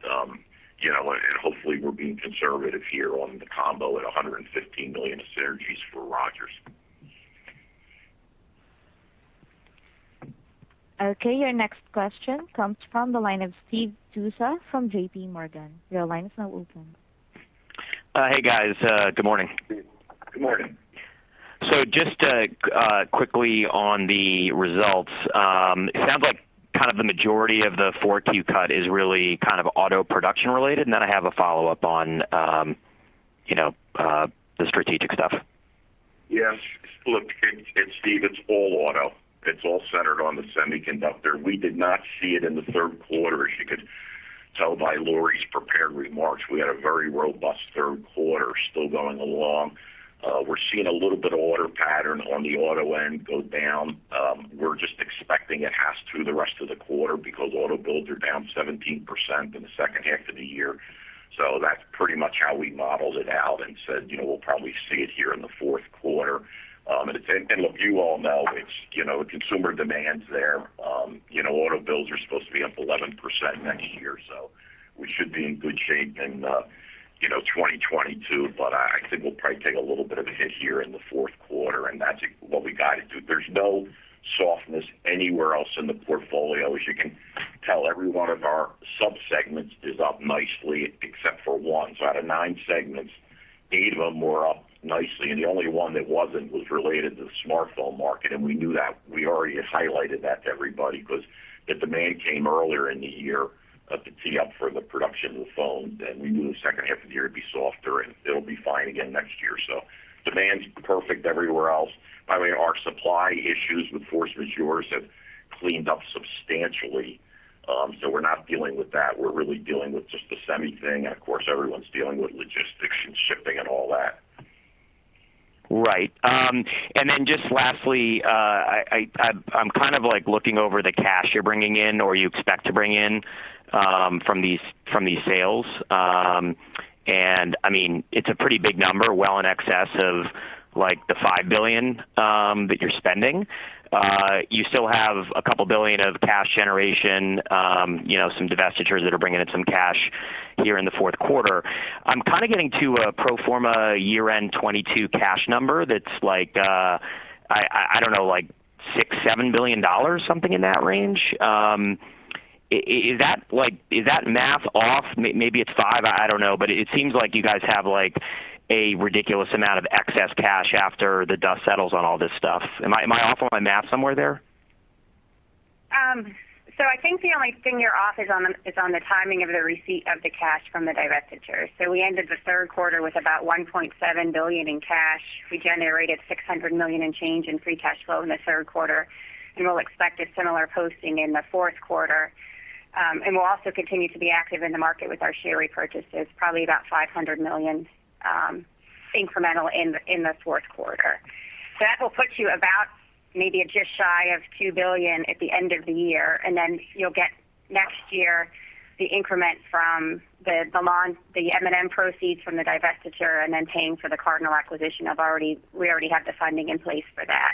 you know, and hopefully we're being conservative here on the combo at $115 million of synergies for Rogers. Okay. Your next question comes from the line of Steve Tusa from JPMorgan. Your line is now open. Hey, guys, good morning. Good morning. Just quickly on the results. It sounds like kind of the majority of the 4Q cut is really kind of auto production related. I have a follow-up on, you know, the strategic stuff. Yes. Look, Steve, it's all auto. It's all centered on the semiconductor. We did not see it in the third quarter. As you could tell by Lori's prepared remarks, we had a very robust third quarter still going along. We're seeing a little bit of order pattern on the auto end go down. We're just expecting it to hit the rest of the quarter because auto builds are down 17% in the second half of the year. That's pretty much how we modeled it out and said, you know, we'll probably see it here in the fourth quarter. And look, you all know it's, you know, consumer demand's there. You know, auto builds are supposed to be up 11% next year, so we should be in good shape in, you know, 2022. I think we'll probably take a little bit of a hit here in the fourth quarter, and that's what we got to do. There's no softness anywhere else in the portfolio. As you can tell, every one of our subsegments is up nicely except for one. Out of nine segments, eight of them were up nicely, and the only one that wasn't was related to the smartphone market. We knew that. We already highlighted that to everybody because the demand came earlier in the year to tee up for the production of the phone. We knew the second half of the year would be softer and it'll be fine again next year. Demand's perfect everywhere else. By the way, our supply issues with force majeure have cleaned up substantially. We're not dealing with that. We're really dealing with just the semi thing. Of course, everyone's dealing with logistics and shipping and all that. Right. Just lastly, I'm kind of like looking over the cash you're bringing in or you expect to bring in, from these sales. I mean, it's a pretty big number, well in excess of like the $5 billion that you're spending. You still have a couple billion of cash generation, you know, some divestitures that are bringing in some cash here in the fourth quarter. I'm kind of getting to a pro forma year-end 2022 cash number that's like, I don't know, like $6 billion-$7 billion, something in that range. Is that like? Is that math off? Maybe it's $5 billion. I don't know. It seems like you guys have, like, a ridiculous amount of excess cash after the dust settles on all this stuff. Am I off on my math somewhere there? I think the only thing you're off is on the timing of the receipt of the cash from the divestitures. We ended the third quarter with about $1.7 billion in cash. We generated $600 million in change in free cash flow in the third quarter, and we'll expect a similar posting in the fourth quarter. We'll also continue to be active in the market with our share repurchases, probably about $500 million incremental in the fourth quarter. That will put you about maybe just shy of $2 billion at the end of the year, and then you'll get next year the increment from the M&M proceeds from the divestiture and then paying for the Cardinal acquisition. We already have the funding in place for that.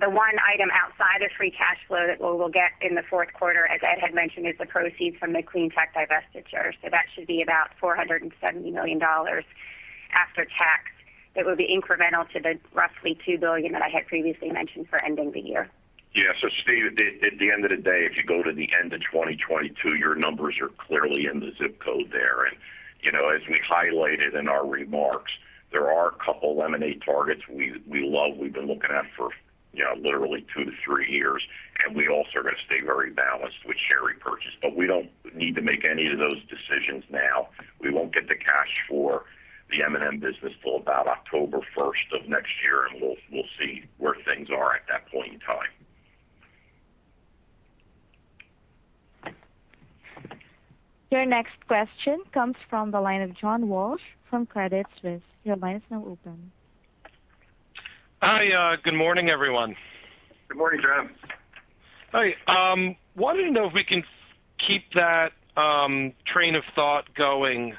The one item outside of free cash flow that we'll get in the fourth quarter, as Ed had mentioned, is the proceeds from the Clean Technologies divestiture. That should be about $470 million after tax that will be incremental to the roughly $2 billion that I had previously mentioned for ending the year. Yeah. Steve, at the end of the day, if you go to the end of 2022, your numbers are clearly in the zip code there. You know, as we highlighted in our remarks, there are a couple of M&A targets we love, we've been looking at for, you know, literally two to three years, and we also are gonna stay very balanced with share repurchase. We don't need to make any of those decisions now. We won't get the cash for the M&M business till about October first of next year, and we'll see where things are at that point in time. Your next question comes from the line of John Walsh from Credit Suisse. Your line is now open. Hi. Good morning, everyone. Good morning, John. Hi. Wanted to know if we can keep that train of thought going.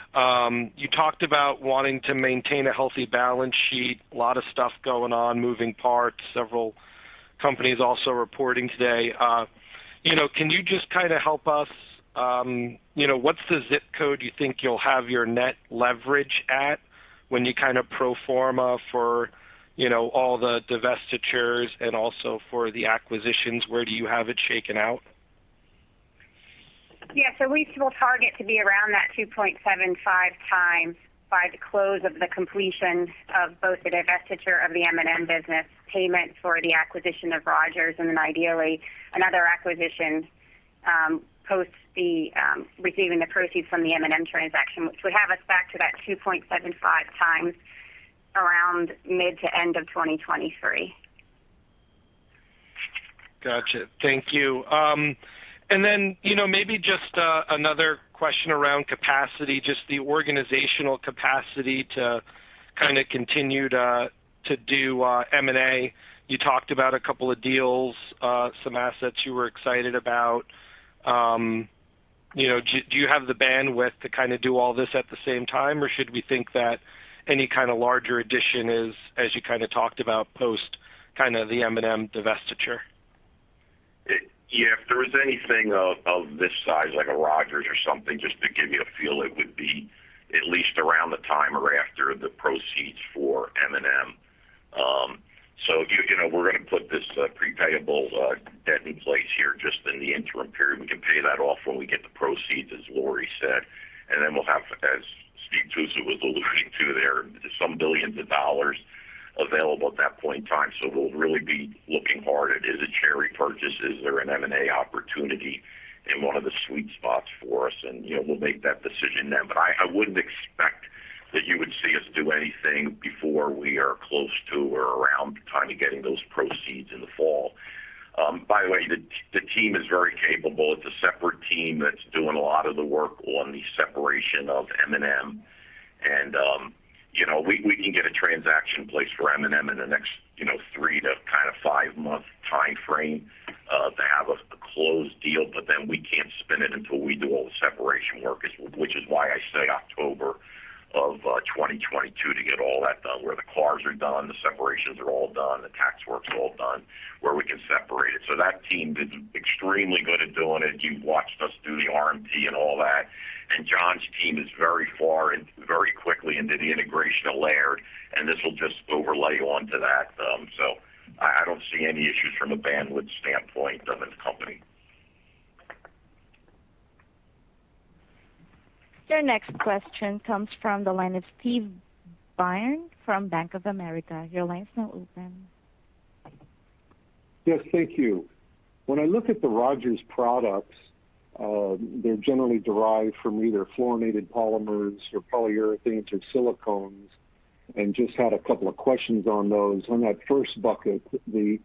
You talked about wanting to maintain a healthy balance sheet. A lot of stuff going on, moving parts, several companies also reporting today. You know, can you just kinda help us, you know, what's the zip code you think you'll have your net leverage at when you kind of pro forma for, you know, all the divestitures and also for the acquisitions? Where do you have it shaken out? Yeah. We still target to be around that 2.75x by the close of the completion of both the divestiture of the M&M business, payment for the acquisition of Rogers, and then ideally another acquisition, post the receiving the proceeds from the M&M transaction, which would have us back to that 2.75x around mid- to end of 2023. Gotcha. Thank you. You know, maybe just another question around capacity, just the organizational capacity to kinda continue to do M&A. You talked about a couple of deals, some assets you were excited about. You know, do you have the bandwidth to kinda do all this at the same time, or should we think that any kind of larger addition is, as you kinda talked about post kinda the M&M divestiture? Yeah. If there was anything of this size, like a Rogers or something, just to give you a feel, it would be at least around the time or after the proceeds for M&M. You know, we're gonna put this prepayable debt in place here just in the interim period. We can pay that off when we get the proceeds, as Laurie said, and then we'll have, as Steve Tusa was alluding to there, some billions of dollars available at that point in time. We'll really be looking hard at, is it share repurchases? Is there an M&A opportunity in one of the sweet spots for us? You know, we'll make that decision then. I wouldn't expect that you would see us do anything before we are close to or around the time of getting those proceeds in the fall. By the way, the team is very capable. It's a separate team that's doing a lot of the work on the separation of M&M. You know, we can get a transaction in place for M&M in the next, you know, three to kind of five-month timeframe, to have a closed deal, but then we can't spin it until we do all the separation work, which is why I say October of 2022 to get all that done, where the CARs are done, the separations are all done, the tax work's all done, where we can separate it. That team is extremely good at doing it. You've watched us do the RMT and all that, and John's team is very far and very quickly into the integration of Laird, and this will just overlay onto that. I don't see any issues from a bandwidth standpoint of the company. Your next question comes from the line of Steve Byrne from Bank of America. Your line is now open. Yes. Thank you. When I look at the Rogers products, they're generally derived from either fluorinated polymers or polyurethanes or silicones, and just had a couple of questions on those. On that first bucket, these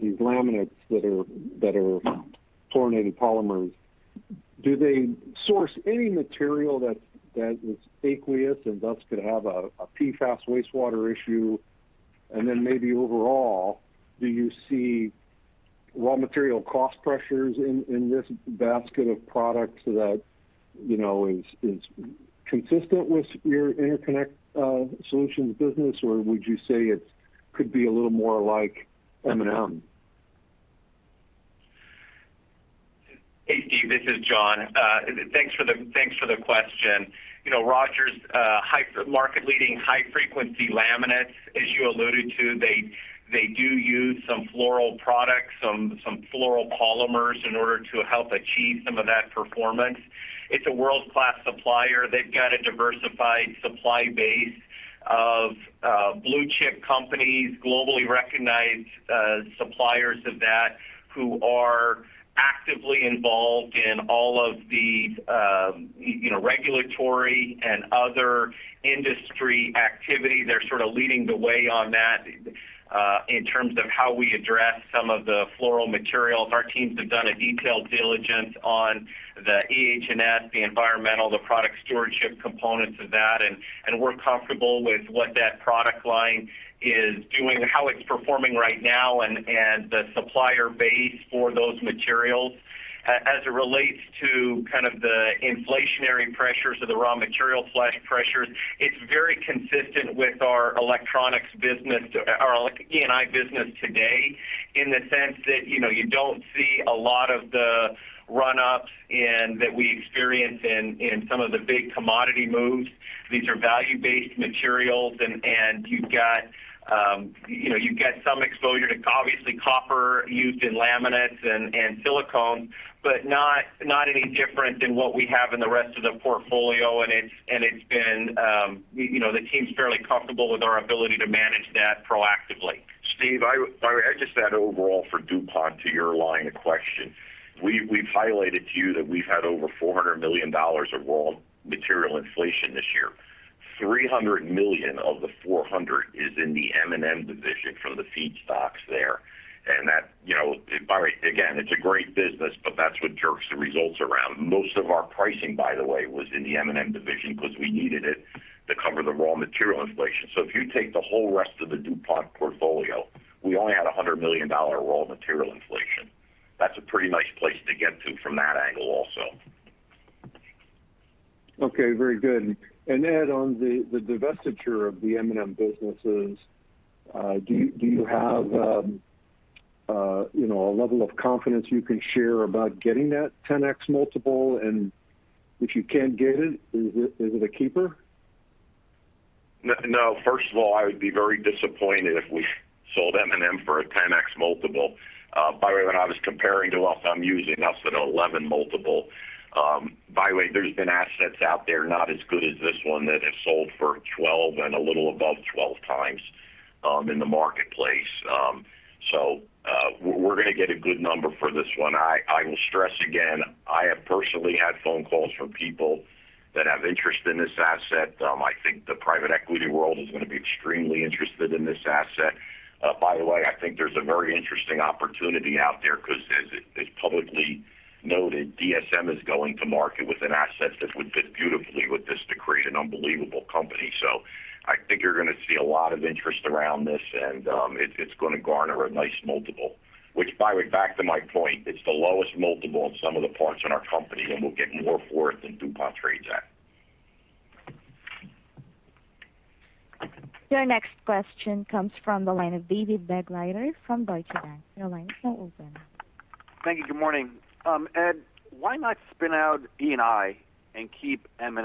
laminates that are fluorinated polymers, do they source any material that is aqueous and thus could have a PFAS wastewater issue? Then maybe overall, do you see raw material cost pressures in this basket of products that, you know, is consistent with your Interconnect Solutions business, or would you say it could be a little more like M&M? Hey, Steve, this is John. Thanks for the question. You know, Rogers' market-leading high-frequency laminates, as you alluded to, they do use some fluoro products, some fluoro polymers in order to help achieve some of that performance. It's a world-class supplier. They've got a diversified supply base of blue-chip companies, globally recognized suppliers of that who are actively involved in all of the, you know, regulatory and other industry activity. They're sort of leading the way on that in terms of how we address some of the fluoro materials. Our teams have done a detailed diligence on the EH&S, the environmental, the product stewardship components of that, and we're comfortable with what that product line is doing, how it's performing right now and the supplier base for those materials. As it relates to kind of the inflationary pressures of the raw material cost pressures, it's very consistent with our electronics business, our E&I business today, in the sense that, you know, you don't see a lot of the run-ups that we experience in some of the big commodity moves. These are value-based materials and you've got, you know, you've got some exposure to obviously copper used in laminates and silicone, but not any different than what we have in the rest of the portfolio. It's been, you know, the team's fairly comfortable with our ability to manage that proactively. Steve, I'd just add overall for DuPont to your line of question. We've highlighted to you that we've had over $400 million of raw material inflation this year. $300 million of the $400 million is in the M&M division from the feedstocks there. You know, by the way, again, it's a great business, but that's what jerks the results around. Most of our pricing, by the way, was in the M&M division 'cause we needed it to cover the raw material inflation. If you take the whole rest of the DuPont portfolio, we only had $100 million raw material inflation. That's a pretty nice place to get to from that angle also. Okay, very good. Ed, on the divestiture of the M&M businesses, do you have you know a level of confidence you can share about getting that 10x multiple? If you can't get it, is it a keeper? No, first of all, I would be very disappointed if we sold M&M for a 10x multiple. By the way, when I was comparing to us, I'm using less than 11 multiple. By the way, there's been assets out there not as good as this one that have sold for 12 and a little above 12x in the marketplace. We're gonna get a good number for this one. I will stress again, I have personally had phone calls from people that have interest in this asset. I think the private equity world is gonna be extremely interested in this asset. By the way, I think there's a very interesting opportunity out there 'cause as publicly noted, DSM is going to market with an asset that would fit beautifully with this to create an unbelievable company. I think you're gonna see a lot of interest around this and it's gonna garner a nice multiple. Which by the way, back to my point, it's the lowest multiple in some of the parts in our company, and we'll get more for it than DuPont trades at. Your next question comes from the line of David Begleiter from Deutsche Bank. Your line is now open. Thank you. Good morning. Ed, why not spin out E&I and keep M&M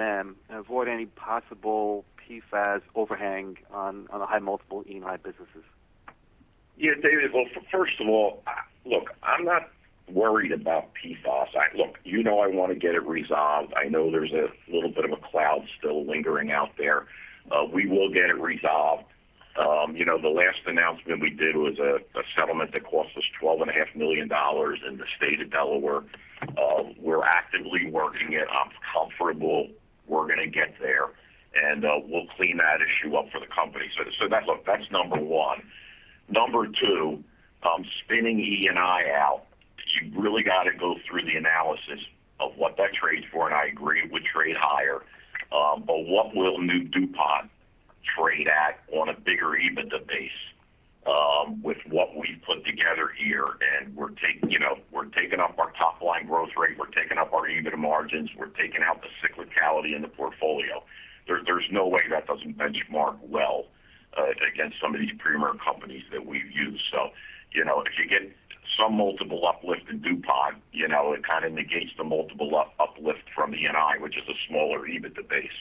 and avoid any possible PFAS overhang on the high multiple E&I businesses? Yeah, David. Well, first of all, look, I'm not worried about PFAS. Look, you know I wanna get it resolved. I know there's a little bit of a cloud still lingering out there. We will get it resolved. You know, the last announcement we did was a settlement that cost us $12.5 million in the state of Delaware. We're actively working it. I'm comfortable we're gonna get there, and we'll clean that issue up for the company. That, look, that's number one. Number two, spinning E&I out, you really got to go through the analysis of what that trades for, and I agree it would trade higher. What will new DuPont trade at on a bigger EBITDA base, with what we put together here? We're taking, you know, we're taking up our top line growth rate, we're taking up our EBITDA margins, we're taking out the cyclicality in the portfolio. There's no way that doesn't benchmark well against some of these premier companies that we've used. So, you know, if you get some multiple uplift in DuPont, you know, it kind of negates the multiple uplift from E&I, which is a smaller EBITDA base.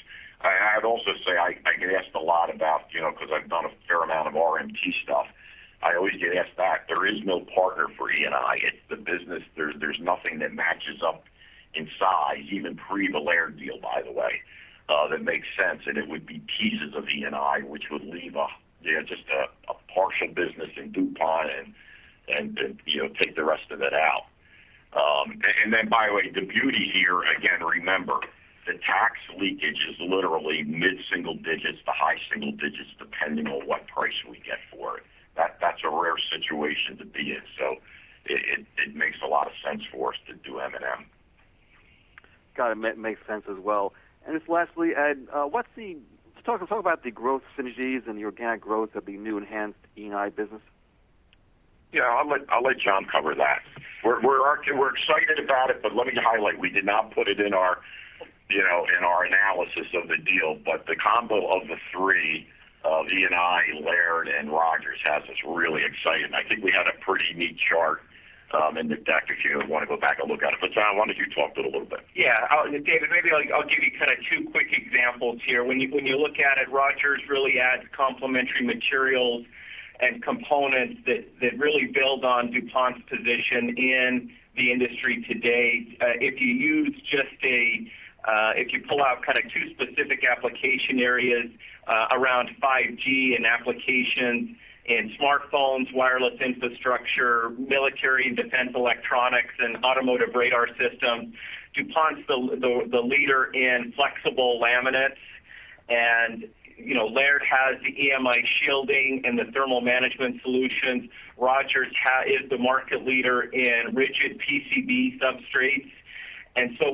I'd also say I get asked a lot about, you know, 'cause I've done a fair amount of RMT stuff. I always get asked that there is no partner for E&I. It's the business. There's nothing that matches up in size, even pre the Laird deal, by the way, that makes sense, and it would be pieces of E&I, which would leave a you know just a partial business in DuPont and you know take the rest of it out. Then by the way, the beauty here, again, remember, the tax leakage is literally mid-single digits to high single digits, depending on what price we get for it. That's a rare situation to be in. It makes a lot of sense for us to do M&M. Got it. Makes sense as well. Just lastly, Ed, talk about the growth synergies and the organic growth of the new enhanced E&I business. Yeah. I'll let John cover that. We're excited about it, but let me highlight, we did not put it in our, you know, analysis of the deal. The combo of the three, of E&I, Laird and Rogers has us really excited. I think we had a pretty neat chart in the deck, if you wanna go back and look at it. John, why don't you talk to it a little bit? Yeah. David, maybe I'll give you kind of two quick examples here. When you look at it, Rogers really adds complementary materials and components that really build on DuPont's position in the industry today. If you pull out kind of two specific application areas around 5G and applications in smartphones, wireless infrastructure, military and defense electronics, and automotive radar systems, DuPont's the leader in flexible laminates and, you know, Laird has the EMI shielding and the thermal management solutions. Rogers is the market leader in rigid PCB substrates.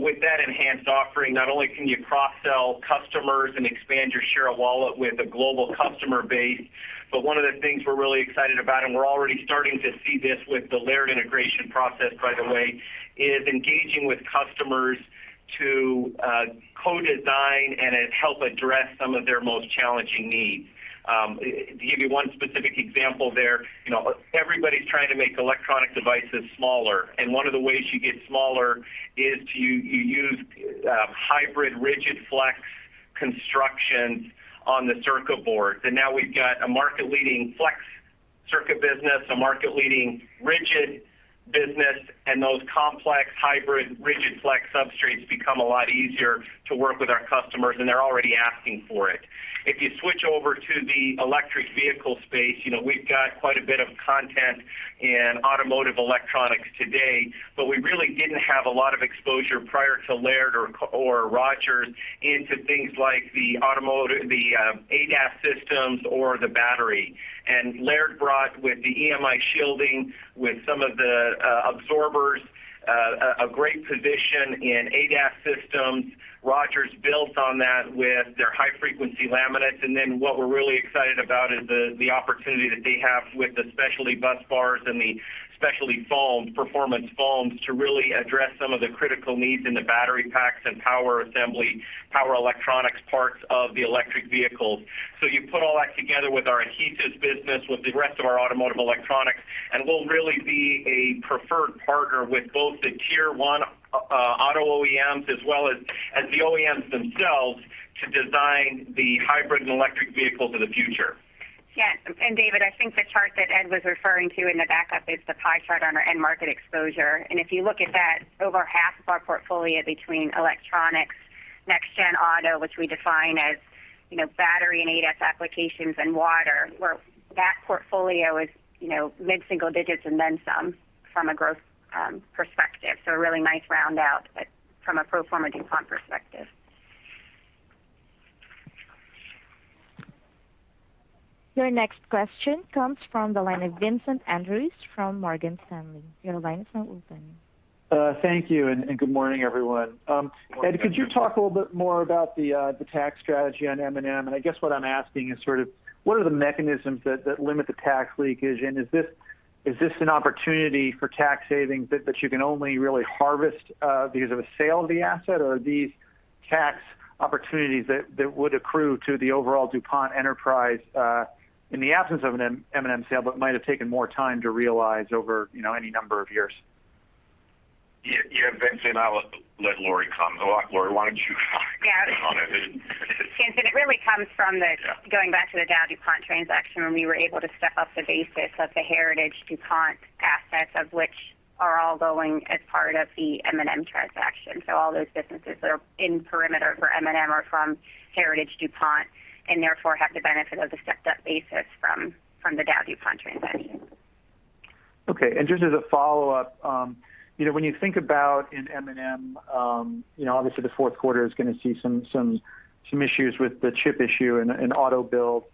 With that enhanced offering, not only can you cross-sell customers and expand your share of wallet with a global customer base, but one of the things we're really excited about, and we're already starting to see this with the Laird integration process, by the way, is engaging with customers to co-design and help address some of their most challenging needs. To give you one specific example there, you know, everybody's trying to make electronic devices smaller, and one of the ways you get smaller is to use hybrid rigid flex construction on the circuit board. Now we've got a market-leading flex circuit business, a market-leading rigid business, and those complex hybrid rigid flex substrates become a lot easier to work with our customers, and they're already asking for it. If you switch over to the electric vehicle space, you know, we've got quite a bit of content in automotive electronics today, but we really didn't have a lot of exposure prior to Laird or Rogers into things like the automotive ADAS systems or the battery. Laird brought with the EMI shielding, with some of the absorbers, a great position in ADAS systems. Rogers built on that with their high-frequency laminates. What we're really excited about is the opportunity that they have with the specialty busbars and the specialty foams, performance foams, to really address some of the critical needs in the battery packs and power assembly, power electronics parts of the electric vehicles. You put all that together with our adhesives business, with the rest of our automotive electronics, and we'll really be a preferred partner with both the tier one auto OEMs as well as the OEMs themselves to design the hybrid and electric vehicles of the future. Yes. David, I think the chart that Ed was referring to in the backup is the pie chart on our end market exposure. If you look at that, over half of our portfolio between electronics, next gen auto, which we define as, you know, battery and ADAS applications and water, where that portfolio is, you know, mid-single digits and then some from a growth perspective. A really nice round out, but from a Pro Forma DuPont perspective. Your next question comes from the line of Vincent Andrews from Morgan Stanley. Your line is now open. Thank you, and good morning, everyone. Ed, could you talk a little bit more about the tax strategy on M&M? I guess what I'm asking is sort of what are the mechanisms that limit the tax leakage? Is this an opportunity for tax savings that you can only really harvest because of a sale of the asset or are these tax opportunities that would accrue to the overall DuPont enterprise in the absence of an M&M sale, but might have taken more time to realize over, you know, any number of years? Yeah, Vincent, I'll let Lori comment. Lori, why don't you comment on it? Yeah. Vincent, it really comes from the- Yeah. Going back to the DowDuPont transaction, when we were able to step up the basis of the Heritage DuPont assets, of which are all going as part of the M&M transaction. All those businesses that are in perimeter for M&M are from Heritage DuPont, and therefore have the benefit of the stepped-up basis from the DowDuPont transaction. Okay. Just as a follow-up, you know, when you think about in M&M, you know, obviously the fourth quarter is gonna see some issues with the chip issue and auto build.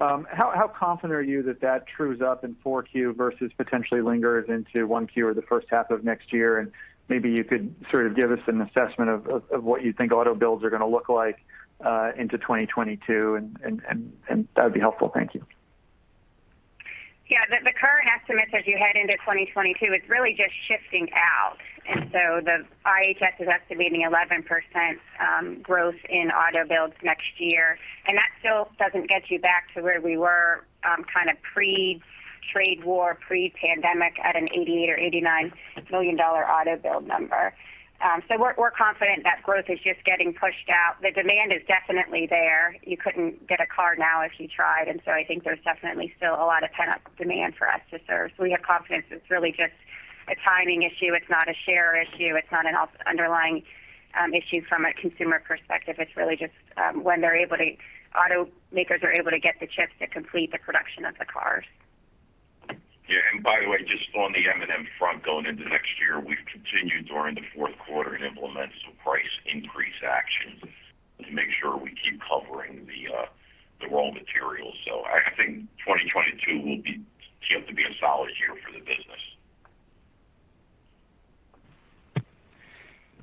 How confident are you that that trues up in 4Q versus potentially lingers into 1Q or the first half of next year? And maybe you could sort of give us an assessment of what you think auto builds are gonna look like into 2022 and that'd be helpful. Thank you. Yeah. The current estimates as you head into 2022, it's really just shifting out. The IHS is estimating 11% growth in auto builds next year. That still doesn't get you back to where we were kind of pre-trade war, pre-pandemic at an 88 or 89 million global auto build number. We're confident that growth is just getting pushed out. The demand is definitely there. You couldn't get a car now if you tried. I think there's definitely still a lot of pent-up demand for us to serve. We have confidence it's really just a timing issue. It's not a share issue. It's not an underlying issue from a consumer perspective. It's really just when automakers are able to get the chips to complete the production of the cars. Yeah. By the way, just on the M&M front, going into next year, we've continued during the fourth quarter to implement some price increase actions to make sure we keep covering the raw materials. I think 2022 will seem to be a solid year for the business.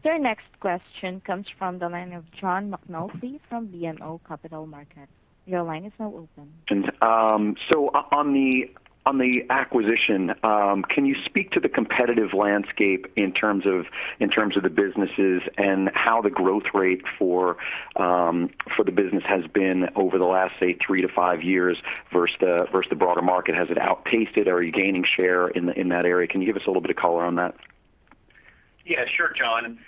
Your next question comes from the line of John McNulty from BMO Capital Markets. Your line is now open. On the acquisition, can you speak to the competitive landscape in terms of the businesses and how the growth rate for the business has been over the last, say, three to five years versus the broader market? Has it outpaced it? Are you gaining share in that area? Can you give us a little bit of color on that? Yeah, sure, John.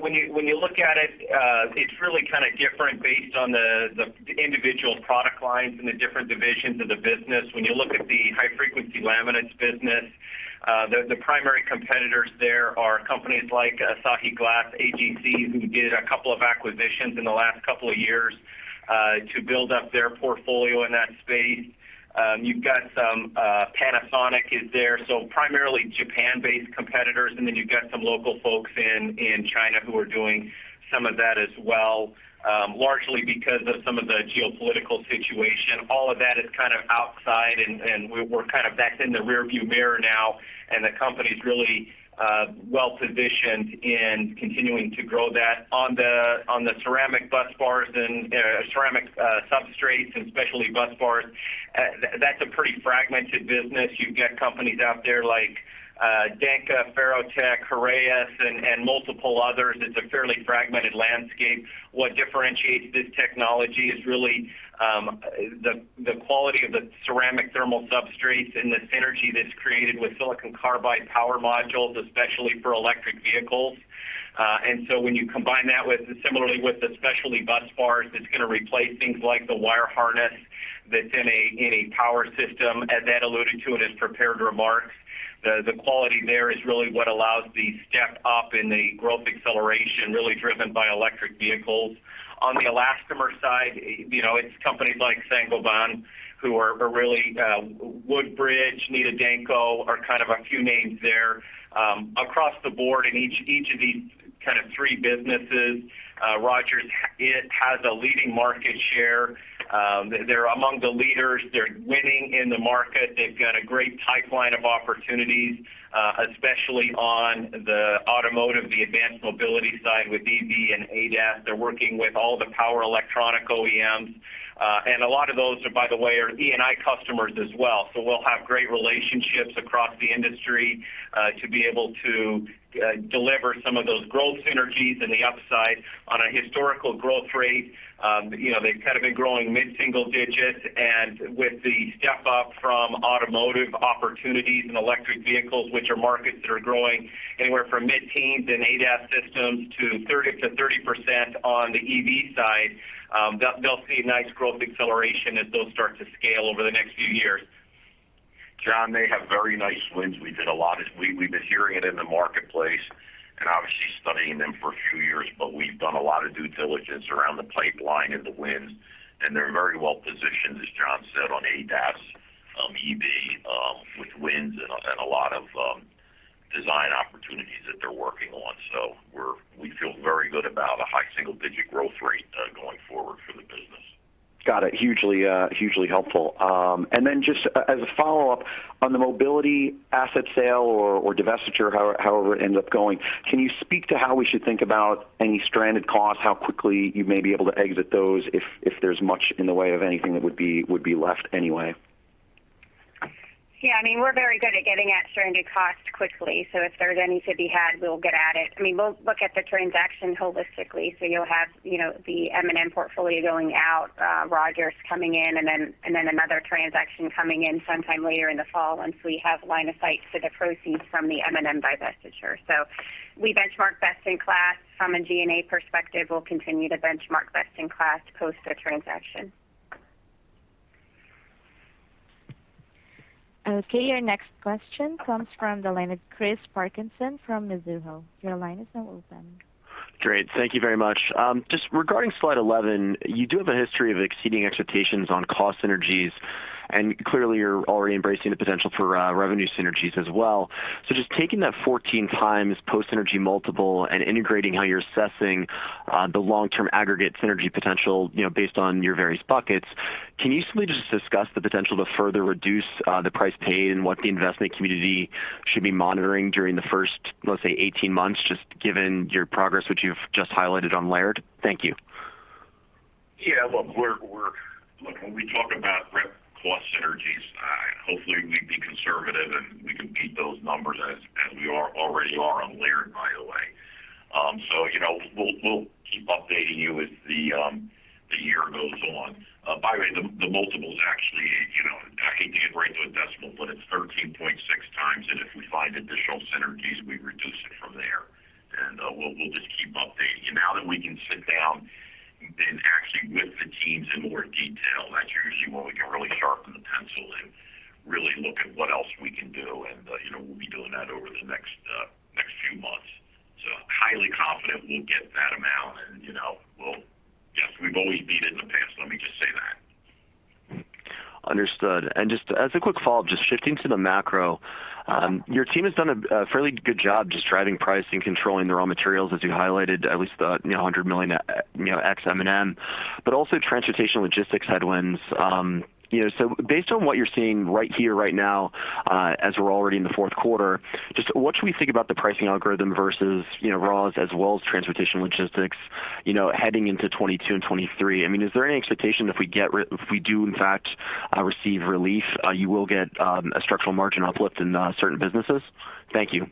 When you look at it's really kind of different based on the individual product lines and the different divisions of the business. When you look at the high frequency laminates business, the primary competitors there are companies like Asahi Glass AGC, who did a couple of acquisitions in the last couple of years to build up their portfolio in that space. You've got some Panasonic is there, so primarily Japan-based competitors, and then you've got some local folks in China who are doing some of that as well, largely because of some of the geopolitical situation. All of that is kind of outside, and we're kind of back in the rear view mirror now, and the company's really well-positioned in continuing to grow that. On the ceramic busbars and ceramic substrates and specialty busbars, that's a pretty fragmented business. You've got companies out there like Denka, Ferrotec, Heraeus, and multiple others. It's a fairly fragmented landscape. What differentiates this technology is really the quality of the ceramic thermal substrates and the synergy that's created with silicon carbide power modules, especially for electric vehicles. When you combine that with similarly with the specialty busbars, it's gonna replace things like the wire harness that's in a power system. As Ed alluded to in his prepared remarks, the quality there is really what allows the step up in the growth acceleration really driven by electric vehicles. On the elastomer side, you know, it's companies like Saint-Gobain, Woodbridge, Nitto Denko are kind of a few names there. Across the board in each of these kind of three businesses, Rogers, it has a leading market share. They're among the leaders. They're winning in the market. They've got a great pipeline of opportunities, especially on the automotive, the advanced mobility side with EV and ADAS. They're working with all the power electronic OEMs. A lot of those are, by the way, E&I customers as well. We'll have great relationships across the industry to be able to deliver some of those growth synergies and the upside on a historical growth rate. You know, they've kind of been growing mid-single digits. With the step up from automotive opportunities and electric vehicles, which are markets that are growing anywhere from mid-teens in ADAS systems to 30% on the EV side, they'll see nice growth acceleration as those start to scale over the next few years. John, they have very nice wins. We've been hearing it in the marketplace and obviously studying them for a few years, but we've done a lot of due diligence around the pipeline and the wins, and they're very well positioned, as John said, on ADAS, EV, with wins and a lot of design opportunities that they're working on. We feel very good about a high single digit growth rate going forward for the business. Got it. Hugely helpful. Then just as a follow-up on the mobility asset sale or divestiture, however it ends up going, can you speak to how we should think about any stranded costs, how quickly you may be able to exit those if there's much in the way of anything that would be left anyway? Yeah. I mean, we're very good at getting at stranded costs quickly. If there's any to be had, we'll get at it. I mean, we'll look at the transaction holistically. You'll have, you know, the M&M portfolio going out, Rogers coming in, and then another transaction coming in sometime later in the fall once we have line of sight to the proceeds from the M&M divestiture. We benchmark best in class from a G&A perspective. We'll continue to benchmark best in class post the transaction. Okay, your next question comes from the line of Chris Parkinson from Mizuho. Your line is now open. Great. Thank you very much. Just regarding slide 11, you do have a history of exceeding expectations on cost synergies, and clearly you're already embracing the potential for revenue synergies as well. Just taking that 14 times post-synergy multiple and integrating how you're assessing the long-term aggregate synergy potential, you know, based on your various buckets, can you simply just discuss the potential to further reduce the price paid and what the investment community should be monitoring during the first, let's say, 18 months, just given your progress, which you've just highlighted on Laird? Thank you. Yeah. Look, when we talk about rep cost synergies, hopefully we've been conservative, and we can beat those numbers as we are already on Laird, by the way. You know, we'll keep updating you as the year goes on. By the way, the multiple's actually, you know, I hate to get right to a decimal, but it's 13.6x, and if we find additional synergies, we reduce it from there. We'll just keep updating. Now that we can sit down and actually with the teams in more detail, that's usually when we can really sharpen the pencil and really look at what else we can do. You know, we'll be doing that over the next few months. Highly confident we'll get that amount. You know, yes, we've always beat it in the past. Let me just say that. Understood. Just as a quick follow-up, just shifting to the macro, your team has done a fairly good job just driving price and controlling the raw materials as you highlighted, at least the $100 million ex M&M, but also transportation logistics headwinds. Based on what you're seeing right here right now, as we're already in the fourth quarter, just what should we think about the pricing algorithm versus raws as well as transportation logistics heading into 2022 and 2023? I mean, is there any expectation if we do in fact receive relief, you will get a structural margin uplift in certain businesses? Thank you.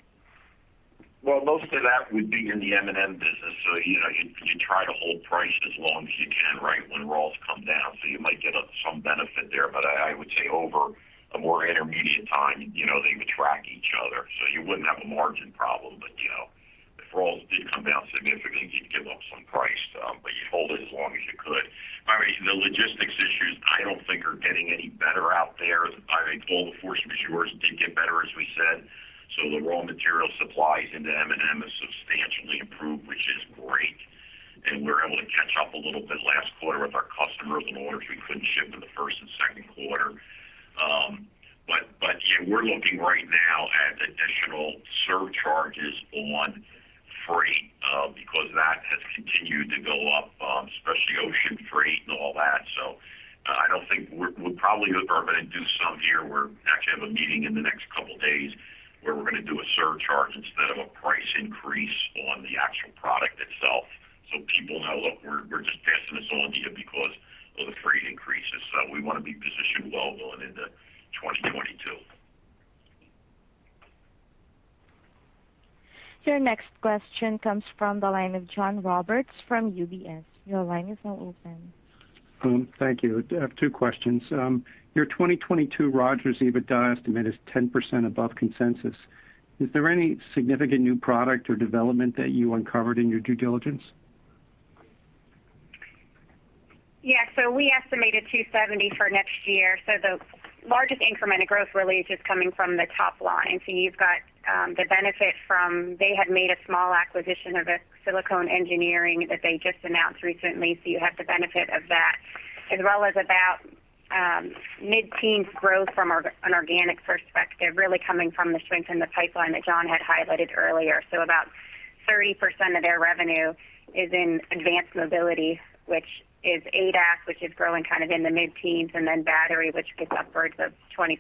Well, most of that would be in the M&M business. You know, you try to hold price as long as you can, right, when raws come down, so you might get some benefit there. I would say over a more intermediate time, you know, they would track each other, so you wouldn't have a margin problem. You know, if raws did come down significantly, you'd give up some price, but you'd hold it as long as you could. By the way, the logistics issues I don't think are getting any better out there. I think all the force majeure did get better, as we said, so the raw material supplies into M&M have substantially improved, which is great. We were able to catch up a little bit last quarter with our customers and orders we couldn't ship in the first and second quarter. We're looking right now at additional surcharges on freight, because that has continued to go up, especially ocean freight and all that. I don't think we're probably gonna do some here. We're actually have a meeting in the next couple of days where we're gonna do a surcharge instead of a price increase on the actual product itself, so people know, look, we're just passing this on to you because of the freight increases. We wanna be positioned well going into 2022. Your next question comes from the line of John Roberts from UBS. Your line is now open. Thank you. I have two questions. Your 2022 Rogers EBITDA estimate is 10% above consensus. Is there any significant new product or development that you uncovered in your due diligence? Yeah. We estimated $270 million for next year. The largest incremental growth really is just coming from the top line. You've got the benefit from they had made a small acquisition of a Silicone Engineering that they just announced recently, so you have the benefit of that as well as about mid-teens growth from an organic perspective, really coming from the strength in the pipeline that John had highlighted earlier. About 30% of their revenue is in advanced mobility, which is ADAS, which is growing kind of in the mid-teens, and then battery, which gets upwards of 20%+.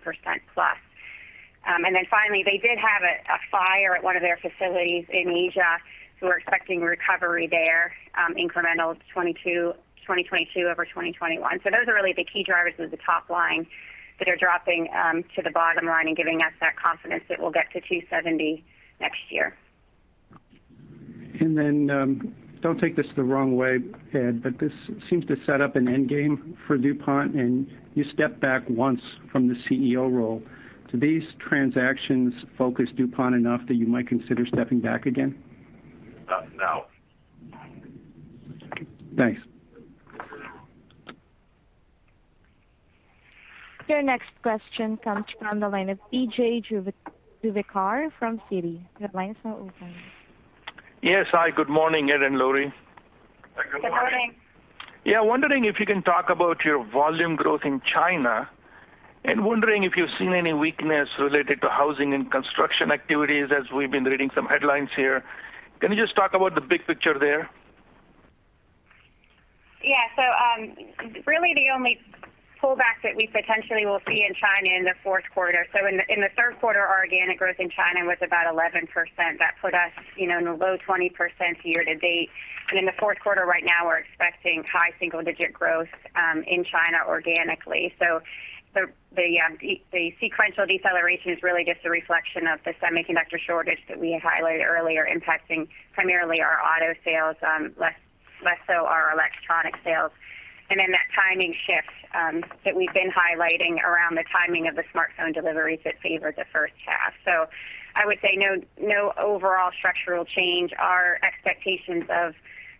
And then finally, they did have a fire at one of their facilities in Asia, so we're expecting recovery there, incremental to 2022 over 2021. Those are really the key drivers of the top line that are dropping to the bottom line and giving us that confidence that we'll get to $270 million next year. Don't take this the wrong way, Ed, but this seems to set up an end game for DuPont, and you step back once from the CEO role. Do these transactions focus DuPont enough that you might consider stepping back again? Not now. Thanks. Your next question comes from the line of PJ Juvekar from Citi. Your line is now open. Yes. Hi, good morning, Ed and Laurie. Good morning. Good morning. Yeah. Wondering if you can talk about your volume growth in China, and wondering if you've seen any weakness related to housing and construction activities as we've been reading some headlines here. Can you just talk about the big picture there? Yeah, really the only pullback that we potentially will see in China in the fourth quarter. In the third quarter, our organic growth in China was about 11%. That put us, you know, in the low 20% year-to-date. In the fourth quarter right now, we're expecting high single-digit growth in China organically. The sequential deceleration is really just a reflection of the semiconductor shortage that we highlighted earlier, impacting primarily our auto sales, less so our electronic sales. That timing shift that we've been highlighting around the timing of the smartphone deliveries that favor the first half. I would say no overall structural change. Our expectations of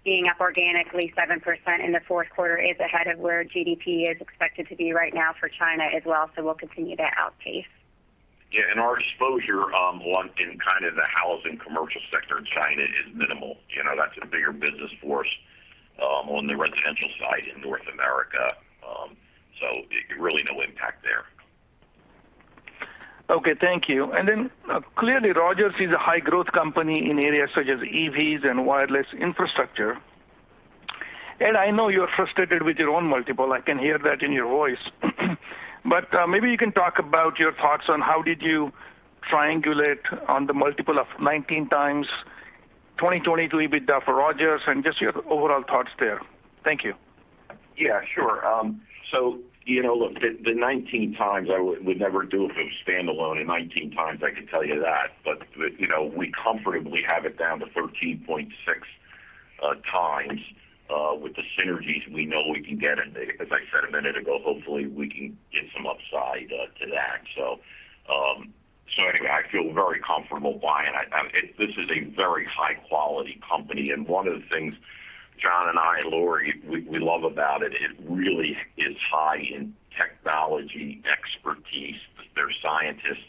being up organically 7% in the fourth quarter is ahead of where GDP is expected to be right now for China as well. We'll continue to outpace. Yeah. Our exposure in kind of the housing commercial sector in China is minimal. You know, that's a bigger business for us on the residential side in North America. Really no impact there. Okay. Thank you. Clearly, Rogers is a high growth company in areas such as EVs and wireless infrastructure. Ed, I know you're frustrated with your own multiple. I can hear that in your voice. But maybe you can talk about your thoughts on how did you triangulate on the multiple of 19x 2022 EBITDA for Rogers and just your overall thoughts there. Thank you. Yeah, sure. You know, look, the 19x I would never do if it was standalone at 19x, I can tell you that. You know, we comfortably have it down to 13.6x with the synergies we know we can get. As I said a minute ago, hopefully we can get some upside to that. Anyway, I feel very comfortable buying. This is a very high quality company, and one of the things John and I, Lori, we love about it really is high in technology expertise. They're scientists.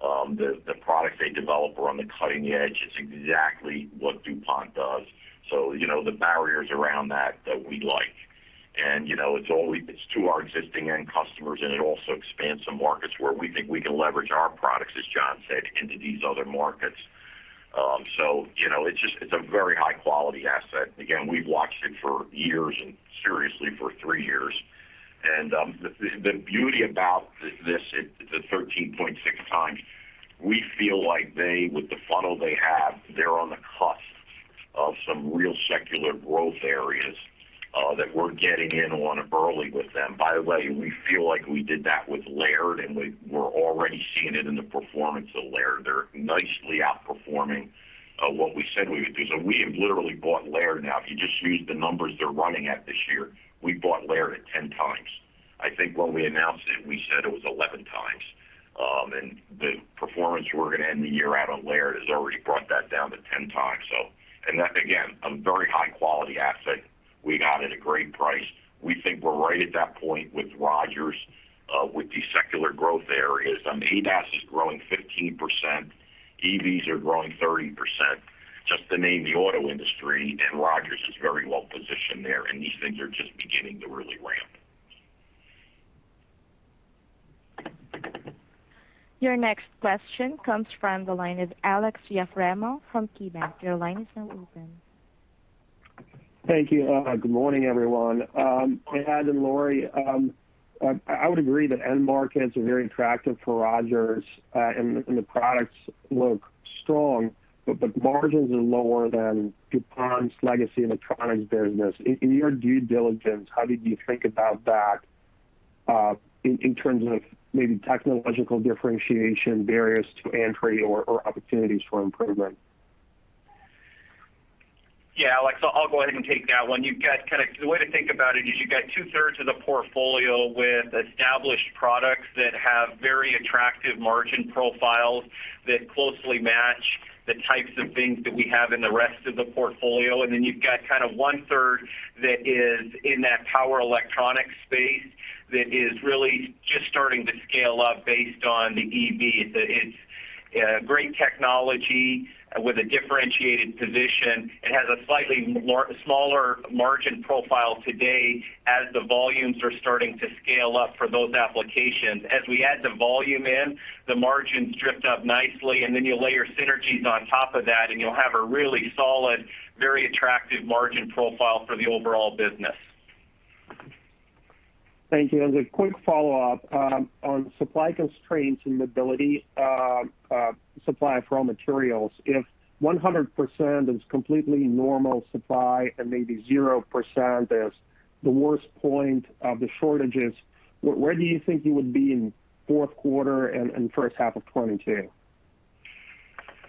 The products they develop are on the cutting edge. It's exactly what DuPont does. You know, the barriers around that we like. You know, it's always to our existing end customers, and it also expands some markets where we think we can leverage our products, as John said, into these other markets. You know, it's just a very high quality asset. Again, we've watched it for years and seriously for three years. The beauty about this, the 13.6x, we feel like they, with the funnel they have, they're on the cusp of some real secular growth areas that we're getting in on early with them. By the way, we feel like we did that with Laird, and we're already seeing it in the performance of Laird. They're nicely outperforming what we said we would do. We have literally bought Laird now. If you just use the numbers they're running at this year, we bought Laird at 10x. I think when we announced it, we said it was 11x. The performance we're gonna end the year at on Laird has already brought that down to 10x. That again, a very high quality asset we got at a great price. We think we're right at that point with Rogers, with these secular growth areas. ADAS is growing 15%. EVs are growing 30%, just to name the auto industry, and Rogers is very well positioned there, and these things are just beginning to really ramp. Your next question comes from the line of Aleksey Yefremov from KeyBanc. Your line is now open. Thank you. Good morning, everyone. Ed and Lori, I would agree that end markets are very attractive for Rogers, and the products look strong, but the margins are lower than DuPont's legacy electronics business. In your due diligence, how did you think about that, in terms of maybe technological differentiation, barriers to entry or opportunities for improvement? Yeah, Alex, I'll go ahead and take that one. You've got kind of. The way to think about it is you've got 2/3 of the portfolio with established products that have very attractive margin profiles that closely match the types of things that we have in the rest of the portfolio. You've got kind of 1/3 that is in that power electronic space that is really just starting to scale up based on the EV. It's a great technology with a differentiated position. It has a slightly smaller margin profile today as the volumes are starting to scale up for those applications. As we add the volume in, the margins drift up nicely, and then you layer synergies on top of that, and you'll have a really solid, very attractive margin profile for the overall business. Thank you. As a quick follow-up, on supply constraints and mobility, supply for all materials, if 100% is completely normal supply and maybe 0% is the worst point of the shortages, where do you think you would be in fourth quarter and first half of 2022?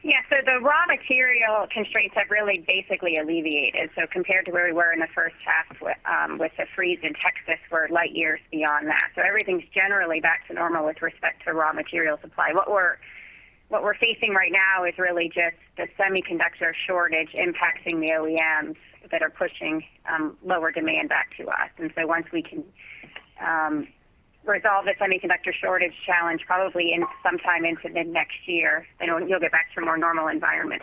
Yeah. The raw material constraints have really basically alleviated. Compared to where we were in the first half with the freeze in Texas, we're light years beyond that. Everything's generally back to normal with respect to raw material supply. What we're facing right now is really just the semiconductor shortage impacting the OEMs that are pushing lower demand back to us. Once we can resolve the semiconductor shortage challenge, probably in sometime into mid-next year, then we'll get back to a more normal environment.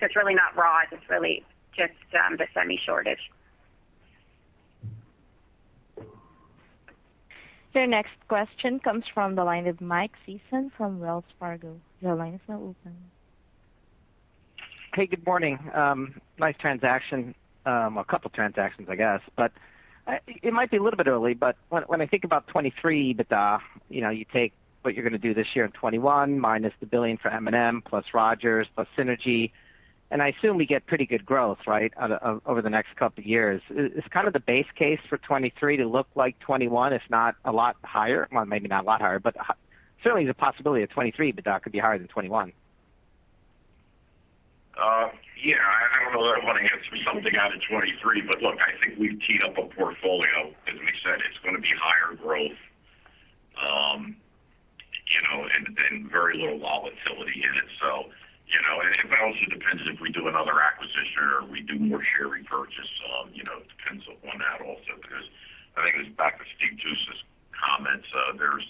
It's really not raw, it's really just the semi shortage. Your next question comes from the line of Mike Sison from Wells Fargo. Your line is now open. Hey, good morning. Nice transaction, a couple transactions, I guess. It might be a little bit early, but when I think about 2023, you know, you take what you're gonna do this year in 2021, minus the $1 billion for M&M, plus Rogers, plus synergy, and I assume we get pretty good growth, right, out of the next couple of years. Is kind of the base case for 2023 to look like 2021, if not a lot higher? Well, maybe not a lot higher, but certainly the possibility of 2023, but that could be higher than 2021. I don't know that I want to answer something out of 2023, but look, I think we've teed up a portfolio. As Nick said, it's gonna be higher growth, you know, and very little volatility in it. So, you know, and it also depends if we do another acquisition or we do more share repurchase. It depends upon that also, because I think it's back to Steve Tusa's comments. There's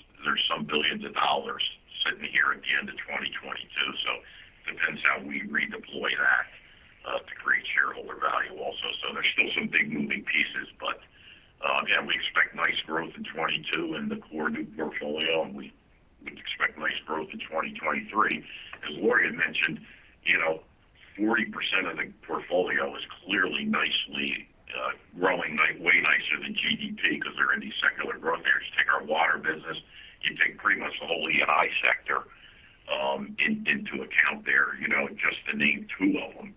some billions of dollars sitting here at the end of 2022, so depends how we redeploy that, to create shareholder value also. So there's still some big moving pieces. But again, we expect nice growth in 2022 in the core new portfolio, and we expect nice growth in 2023. As Lori had mentioned, you know, 40% of the portfolio is clearly nicely growing way nicer than GDP because they're in these secular growth areas. Take our water business, you take pretty much the whole E&I sector into account there, you know, just to name two of them.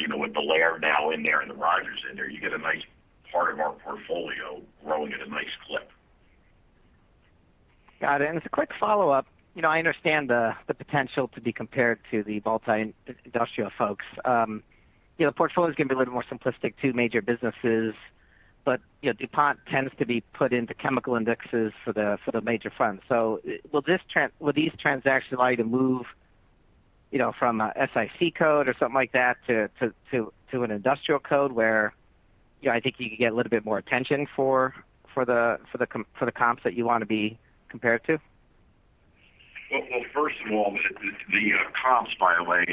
You know, with the Laird now in there and the Rogers in there, you get a nice part of our portfolio growing at a nice clip. Got it. As a quick follow-up, you know, I understand the potential to be compared to the multi-industrial folks. You know, the portfolio is gonna be a little more simplistic, two major businesses. You know, DuPont tends to be put into chemical indexes for the major funds. Will these transactions allow you to move, you know, from a SIC code or something like that to an industrial code where, you know, I think you could get a little bit more attention for the comps that you wanna be compared to? Well, first of all, the comps, by the way,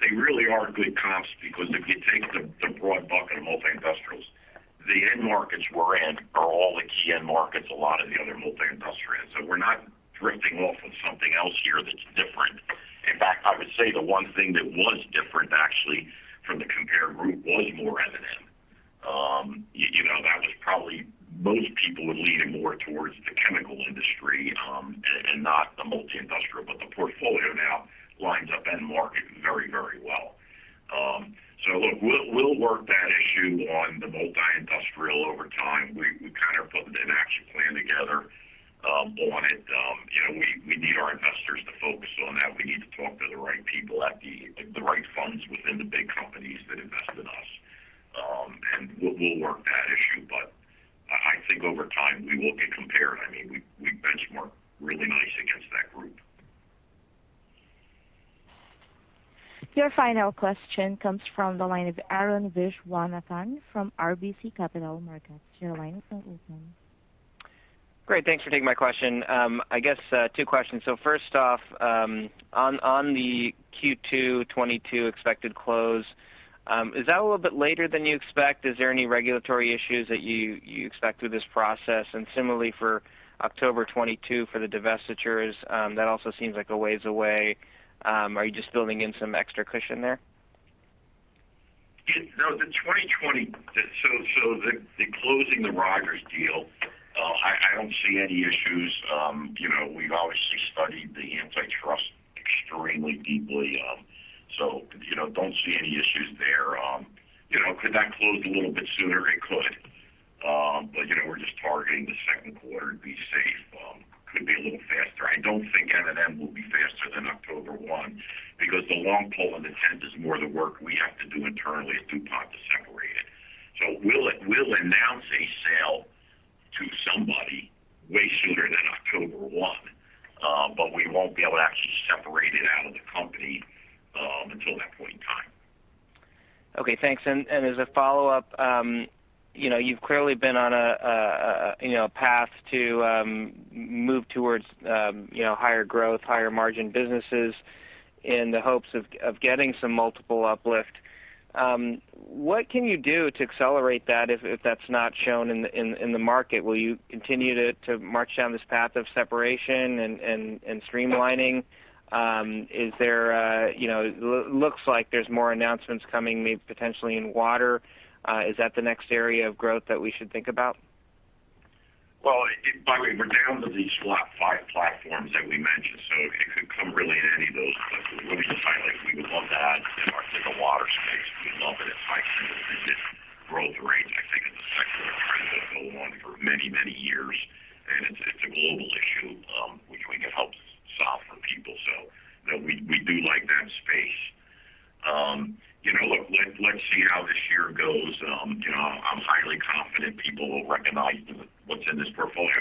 they really are good comps because if you take the broad bucket of multi-industrials, the end markets we're in are all the key end markets a lot of the other multi-industrial is in. So we're not drifting off on something else here that's different. In fact, I would say the one thing that was different actually from the compare group was more M&M. You know, that was probably most people were leaning more towards the chemical industry, and not the multi-industrial, but the portfolio now lines up end market very, very well. So look, we'll work that issue on the multi-industrial over time. We kind of put an action plan together on it. You know, we need our investors to focus on that. We need to talk to the right people at the right funds within the big companies that invest in us. We'll work that issue. I think over time we will get compared. I mean, we benchmark really nice against that group. Your final question comes from the line of Arun Viswanathan from RBC Capital Markets. Your line is now open. Great. Thanks for taking my question. I guess two questions. First off, on the Q2 2022 expected close, is that a little bit later than you expect? Is there any regulatory issues that you expect through this process? Similarly for October 2022 for the divestitures, that also seems like a ways away. Are you just building in some extra cushion there? The closing of the Rogers deal, I don't see any issues. You know, we've obviously studied the antitrust extremely deeply. You know, don't see any issues there. You know, could that close a little bit sooner? It could. You know, we're just targeting the second quarter to be safe. Could be a little faster. I don't think M&M will be faster than October 1 because the long pole in the tent is more the work we have to do internally at DuPont to separate it. We'll announce a sale to somebody way sooner than October 1, but we won't be able to actually separate it out of the company until that point in time. Okay, thanks. As a follow-up, you know, you've clearly been on a you know, path to move towards, you know, higher growth, higher margin businesses in the hopes of getting some multiple uplift. What can you do to accelerate that if that's not shown in the market? Will you continue to march down this path of separation and streamlining? Looks like there's more announcements coming maybe potentially in Water. Is that the next area of growth that we should think about? Well, by the way, we're down to these last five platforms that we mentioned, so it could come really in any of those places. Let me just highlight, we would love to add in the water space. We love it. It's high single digit growth range. I think it's a secular trend that'll go on for many, many years, and it's a global issue, which we can help solve for people. You know, we do like that space. You know, look, let's see how this year goes. You know, I'm highly confident people will recognize what's in this portfolio.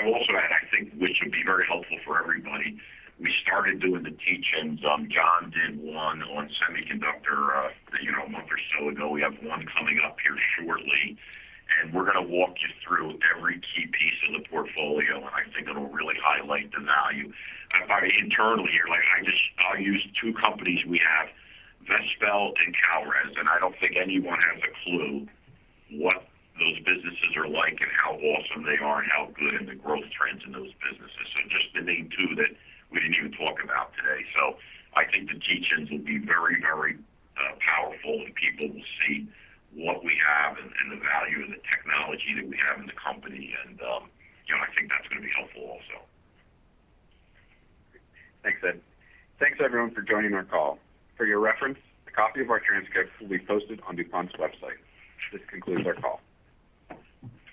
I've also, I think which would be very helpful for everybody, we started doing the teach-ins. John did one on semiconductor, you know, a month or so ago. We have one coming up here shortly, and we're gonna walk you through every key piece of the portfolio, and I think it'll really highlight the value. By the way, internally here, like I'll use two companies we have, Vespel and Kalrez, and I don't think anyone has a clue what those businesses are like and how awesome they are and how good and the growth trends in those businesses. Just to name two that we didn't even talk about today. I think the teach-ins will be very, very powerful, and people will see what we have and the value and the technology that we have in the company. You know, I think that's gonna be helpful also. Great. Thanks, Ed. Thanks everyone for joining our call. For your reference, a copy of our transcript will be posted on DuPont's website. This concludes our call.